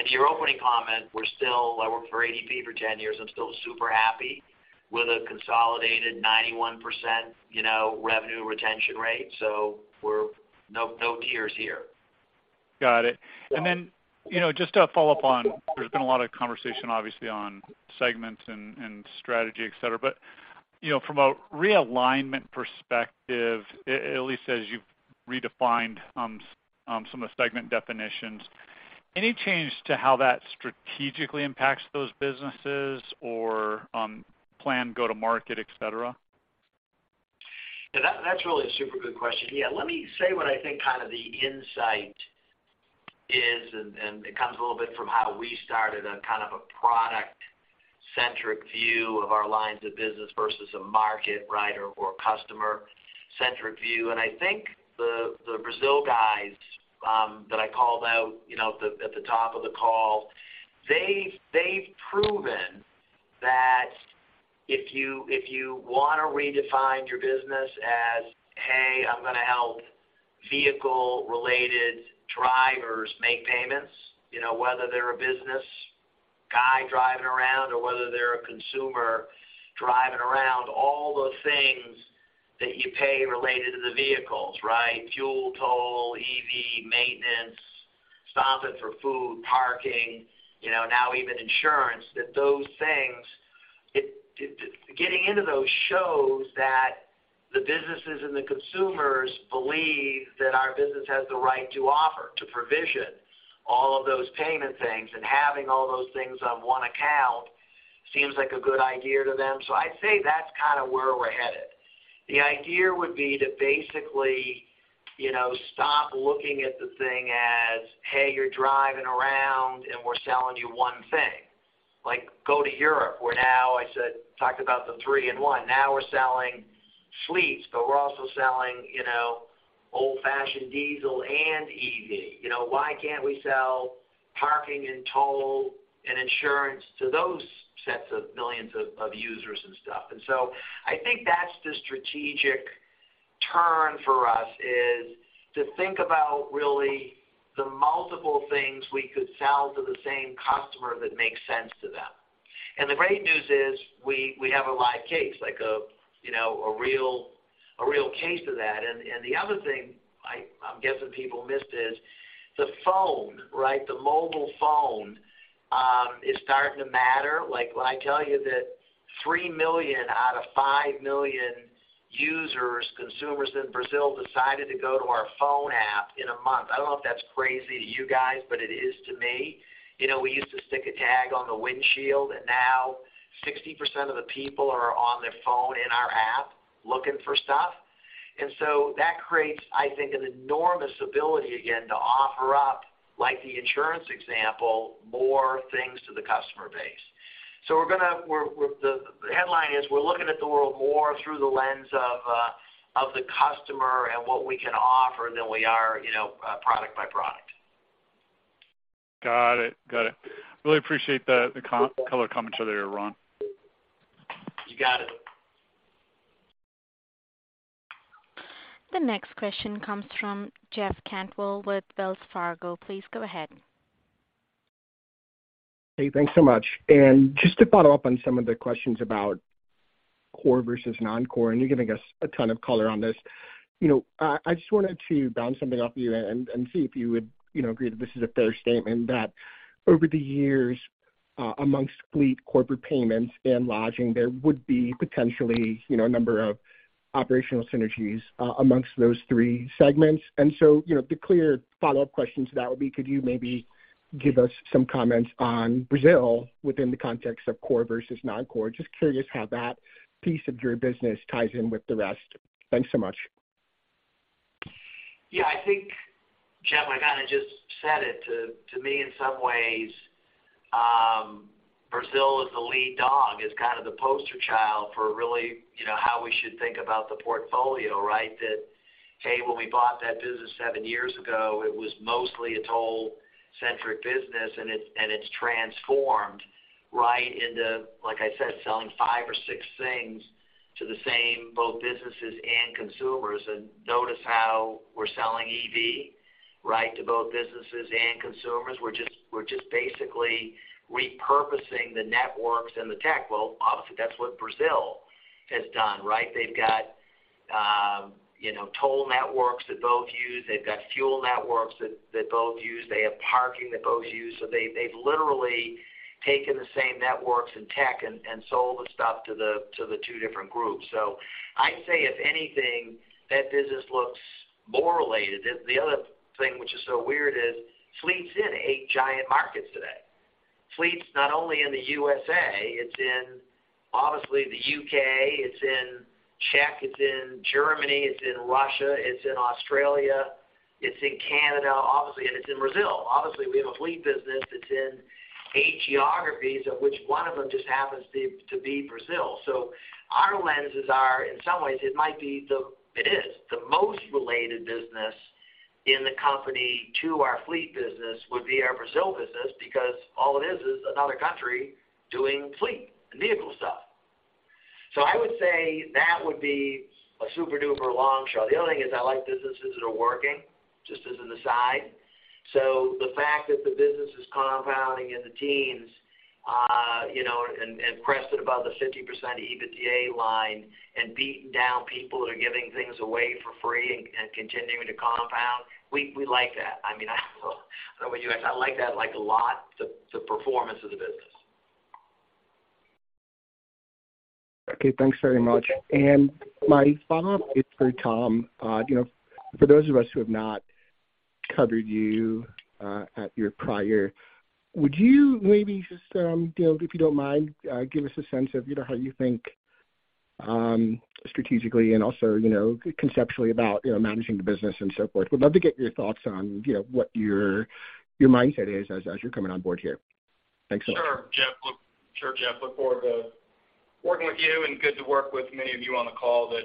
To your opening comment, we're still. I worked for ADP for 10 years, I'm still super happy with a consolidated 91%, you know, revenue retention rate. No tears here. Got it. You know, just to follow up on, there's been a lot of conversation obviously on segments and strategy, et cetera. You know, from a realignment perspective, at least as you've redefined, some of the segment definitions, any change to how that strategically impacts those businesses or, plan go to market, et cetera? Yeah, that's really a super good question. Yeah. Let me say what I think kind of the insight is, and it comes a little bit from how we started on kind of a product-centric view of our lines of business versus a market, right, or customer-centric view. I think the Brazil guys, that I called out, you know, at the top of the call, they've proven that if you wanna redefine your business as, hey, I'm gonna help vehicle-related drivers make payments, you know, whether they're a business guy driving around or whether they're a consumer driving around, all those things that you pay related to the vehicles, right? Fuel, toll, EV, maintenance, stopping for food, parking, you know, now even insurance, that those things. Getting into those shows that the businesses and the consumers believe that our business has the right to offer, to provision all of those payment things, and having all those things on one account seems like a good idea to them. I'd say that's kind of where we're headed. The idea would be to basically, you know, stop looking at the thing as, hey, you're driving around, and we're selling you one thing. Go to Europe, where now talked about the three-in-one. We're selling fleets, but we're also selling, you know, old-fashioned diesel and EV. You know, why can't we sell parking and toll and insurance to those sets of millions of users and stuff? I think that's the strategic turn for us, is to think about really the multiple things we could sell to the same customer that makes sense to them. The great news is we have a live case, like a, you know, a real case of that. The other thing I'm guessing people missed is the phone, right? The mobile phone is starting to matter. Like, when I tell you that 3 million out of 5 million users, consumers in Brazil decided to go to our phone app in a month. I don't know if that's crazy to you guys, but it is to me. You know, we used to stick a tag on the windshield, now 60% of the people are on their phone in our app looking for stuff. That creates, I think, an enormous ability, again, to offer up, like the insurance example, more things to the customer base. The headline is we're looking at the world more through the lens of the customer and what we can offer than we are, you know, product by product. Got it. Got it. Really appreciate color commentary there, Ron. You got it. The next question comes from Jeff Cantwell with Wells Fargo. Please go ahead. Hey, thanks so much. Just to follow up on some of the questions about core versus non-core, and you're giving us a ton of color on this. You know, I just wanted to bounce something off of you and see if you would, you know, agree that this is a fair statement that over the years, amongst fleet corporate payments and lodging, there would be potentially, you know, a number of operational synergies amongst those three segments. You know, the clear follow-up question to that would be could you maybe give us some comments on Brazil within the context of core versus non-core? Just curious how that piece of your business ties in with the rest. Thanks so much. I think, Jeff, I kinda just said it to me in some ways, Brazil is the lead dog. It's kind of the poster child for really, you know, how we should think about the portfolio, right? That, hey, when we bought that business seven years ago, it was mostly a toll-centric business, and it's transformed right into, like I said, selling five or six things to the same both businesses and consumers. Notice how we're selling EV, right, to both businesses and consumers. We're just basically repurposing the networks and the tech. Obviously, that's what Brazil has done, right? They've got, you know, toll networks that both use. They've got fuel networks that both use. They have parking that both use. They've literally taken the same networks and tech and sold the stuff to the two different groups. I'd say, if anything, that business looks more related. The other thing which is so weird is Fleet's in eight giant markets today. Fleet's not only in the USA, it's in, obviously, the U.K., it's in Czech, it's in Germany, it's in Russia, it's in Australia, it's in Canada, obviously, and it's in Brazil. Obviously, we have a fleet business that's in eight geographies, of which one of them just happens to be Brazil. Our lenses are, in some ways, it is. The most related business in the company to our fleet business would be our Brazil business because all it is is another country doing fleet and vehicle stuff. I would say that would be a super-duper long shot. The other thing is I like businesses that are working just as an aside. The fact that the business is compounding in the teens, you know, and pressed above the 50% EBITDA line and beating down people that are giving things away for free and continuing to compound, we like that. I mean, I don't know about you guys, I like that like a lot, the performance of the business. Okay, thanks very much. My follow-up is for Tom. You know, for those of us who have not covered you, at your prior, would you maybe just, you know, if you don't mind, give us a sense of, you know, how you think, strategically and also, you know, conceptually about, you know, managing the business and so forth. Would love to get your thoughts on, you know, what your mindset is as you're coming on board here. Thanks so much. Sure, Jeff. Look forward to working with you, and good to work with many of you on the call that,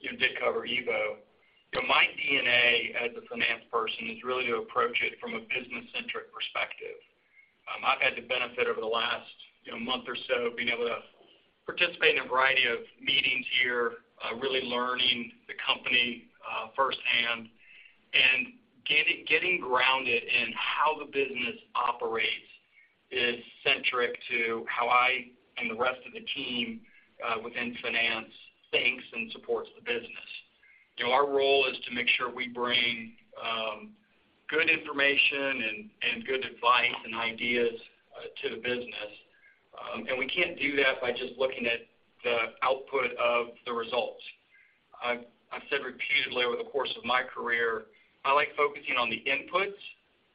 you know, did cover EVO. You know, my DNA as a finance person is really to approach it from a business-centric perspective. I've had the benefit over the last, you know, month or so being able to participate in a variety of meetings here, really learning the company, firsthand. Getting grounded in how the business operates is centric to how I and the rest of the team, within finance thinks and supports the business. You know, our role is to make sure we bring, good information and good advice and ideas, to the business. We can't do that by just looking at the output of the results. I've said repeatedly over the course of my career, I like focusing on the inputs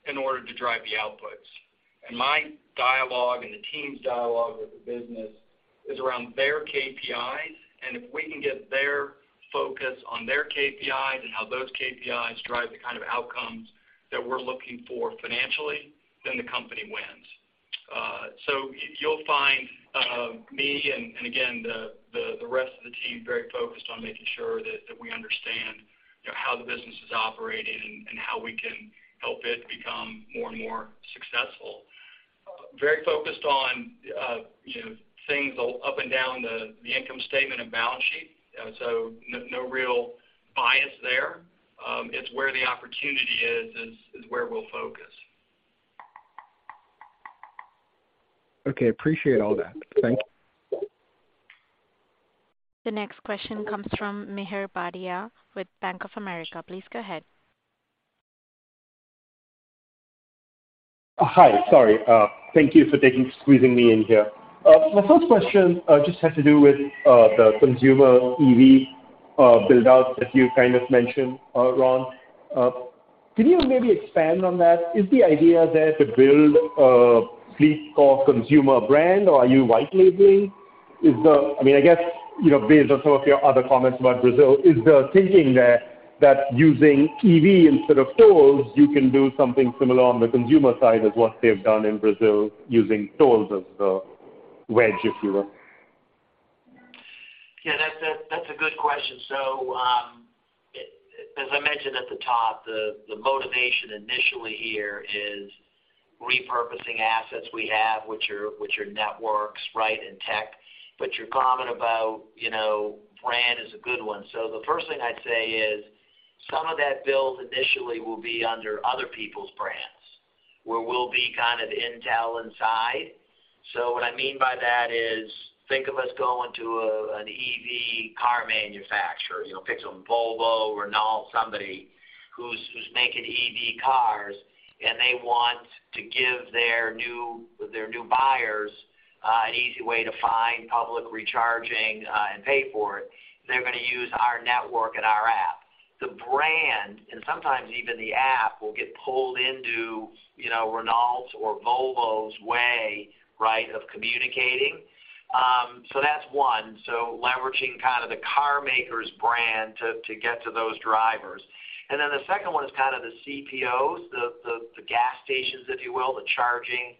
in order to drive the outputs. My dialogue and the team's dialogue with the business is around their KPIs. If we can get their focus on their KPIs and how those KPIs drive the kind of outcomes that we're looking for financially, then the company wins. You'll find me and again, the rest of the team very focused on making sure that we understand, you know, how the business is operating and how we can help it become more and more successful. Very focused on, you know, things up and down the income statement and balance sheet. No real bias there. It's where the opportunity is where we'll focus. Okay. Appreciate all that. Thank you. The next question comes from Mihir Bhatia with Bank of America. Please go ahead. Hi, sorry. Thank you for taking squeezing me in here. My first question just has to do with the consumer EV build-out that you kind of mentioned, Ron. Can you maybe expand on that? Is the idea there to build a FLEETCOR consumer brand or are you white labeling? I mean, I guess, you know, based on some of your other comments about Brazil, is the thinking there that using EV instead of tolls, you can do something similar on the consumer side as what they've done in Brazil using tolls as the wedge, if you will? Yeah, that's a good question. As I mentioned at the top, the motivation initially here is repurposing assets we have, which are networks, right, and tech. Your comment about, you know, brand is a good one. The first thing I'd say is some of that build initially will be under other people's brands, where we'll be kind of the intel inside. What I mean by that is think of us going to an EV car manufacturer, you know, pick some Volvo, Renault, somebody who's making EV cars, and they want to give their new buyers an easy way to find public recharging and pay for it. They're gonna use our network and our app. The brand, and sometimes even the app, will get pulled into, you know, Renault's or Volvo's way, right, of communicating. That's one. Leveraging kind of the car maker's brand to get to those drivers. The second one is kind of the CPOs, the gas stations, if you will, the charging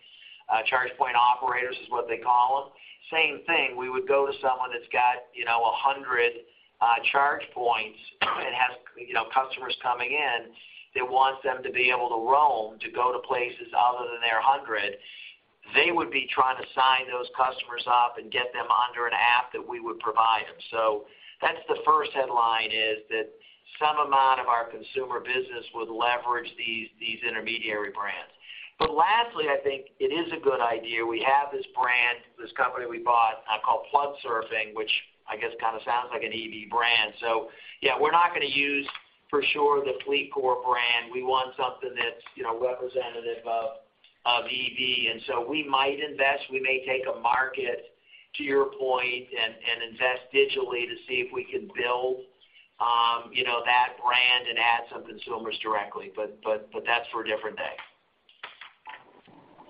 charge point operators is what they call them. Same thing, we would go to someone that's got, you know, 100 charge points and has, you know, customers coming in that wants them to be able to roam to go to places other than their 100. They would be trying to sign those customers up and get them under an app that we would provide them. That's the first headline, is that some amount of our consumer business would leverage these intermediary brands. Lastly, I think it is a good idea. We have this brand, this company we bought, called Plugsurfing, which I guess kind of sounds like an EV brand. Yeah, we're not gonna use for sure the FLEETCOR brand. We want something that's, you know, representative of EV. We might invest, we may take a market to your point and invest digitally to see if we can build, you know, that brand and add some consumers directly. That's for a different day.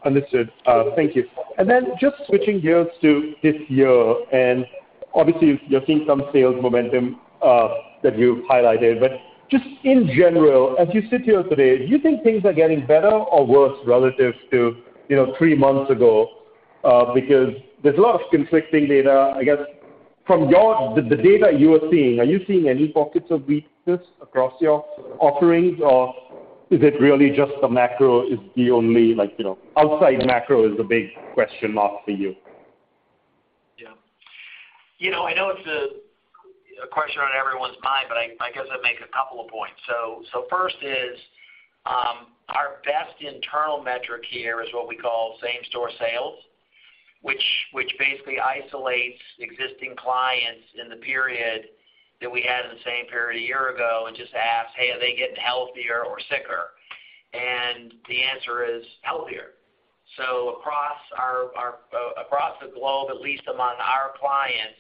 Understood. Thank you. Then just switching gears to this year, obviously you're seeing some sales momentum that you've highlighted. Just in general, as you sit here today, do you think things are getting better or worse relative to, you know, three months ago? Because there's a lot of conflicting data. I guess from your, the data you are seeing, are you seeing any pockets of weakness across your offerings or is it really just the macro is the only like, you know, outside macro is the big question mark for you? Yeah. You know, I know it's a question on everyone's mind, but I guess I'd make a couple of points. First is our best internal metric here is what we call same store sales, which basically isolates existing clients in the period that we had in the same period a year ago and just asks, "Hey, are they getting healthier or sicker?" The answer is healthier. Across the globe, at least among our clients,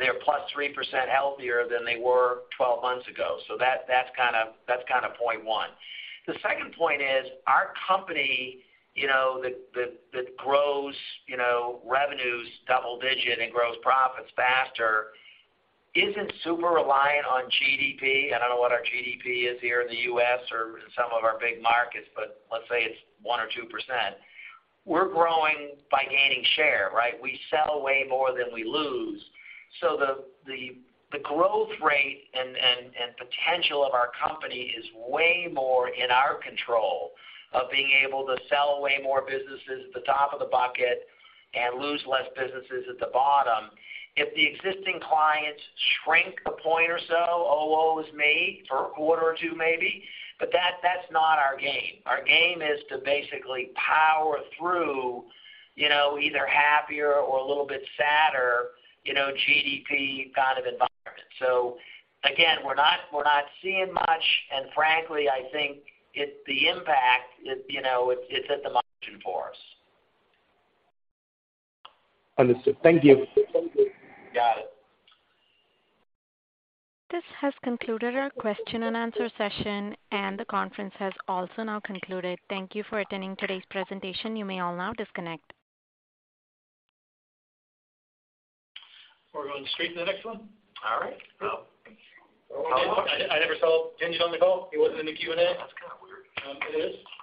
they're +3% healthier than they were 12 months ago. That's kind of point 1. The second point is our company, you know, that grows, you know, revenues double digit and grows profits faster isn't super reliant on GDP. I don't know what our GDP is here in the US or in some of our big markets, but let's say it's 1% or 2%. We're growing by gaining share, right? We sell way more than we lose. The growth rate and potential of our company is way more in our control of being able to sell way more businesses at the top of the bucket and lose less businesses at the bottom. If the existing clients shrink a point or so, oh well is me for a quarter or two maybe, but that's not our game. Our game is to basically power through, you know, either happier or a little bit sadder, you know, GDP kind of environment. Again, we're not seeing much, and frankly, I think it's the impact, you know, it's at the margin for us. Understood. Thank you. You got it. This has concluded our question and answer session, and the conference has also now concluded. Thank you for attending today's presentation. You may all now disconnect. We're going straight to the next one. All right. Cool. I never saw Ginji on the call. He wasn't in the Q&A. That's kind of weird. It is. I'll let you.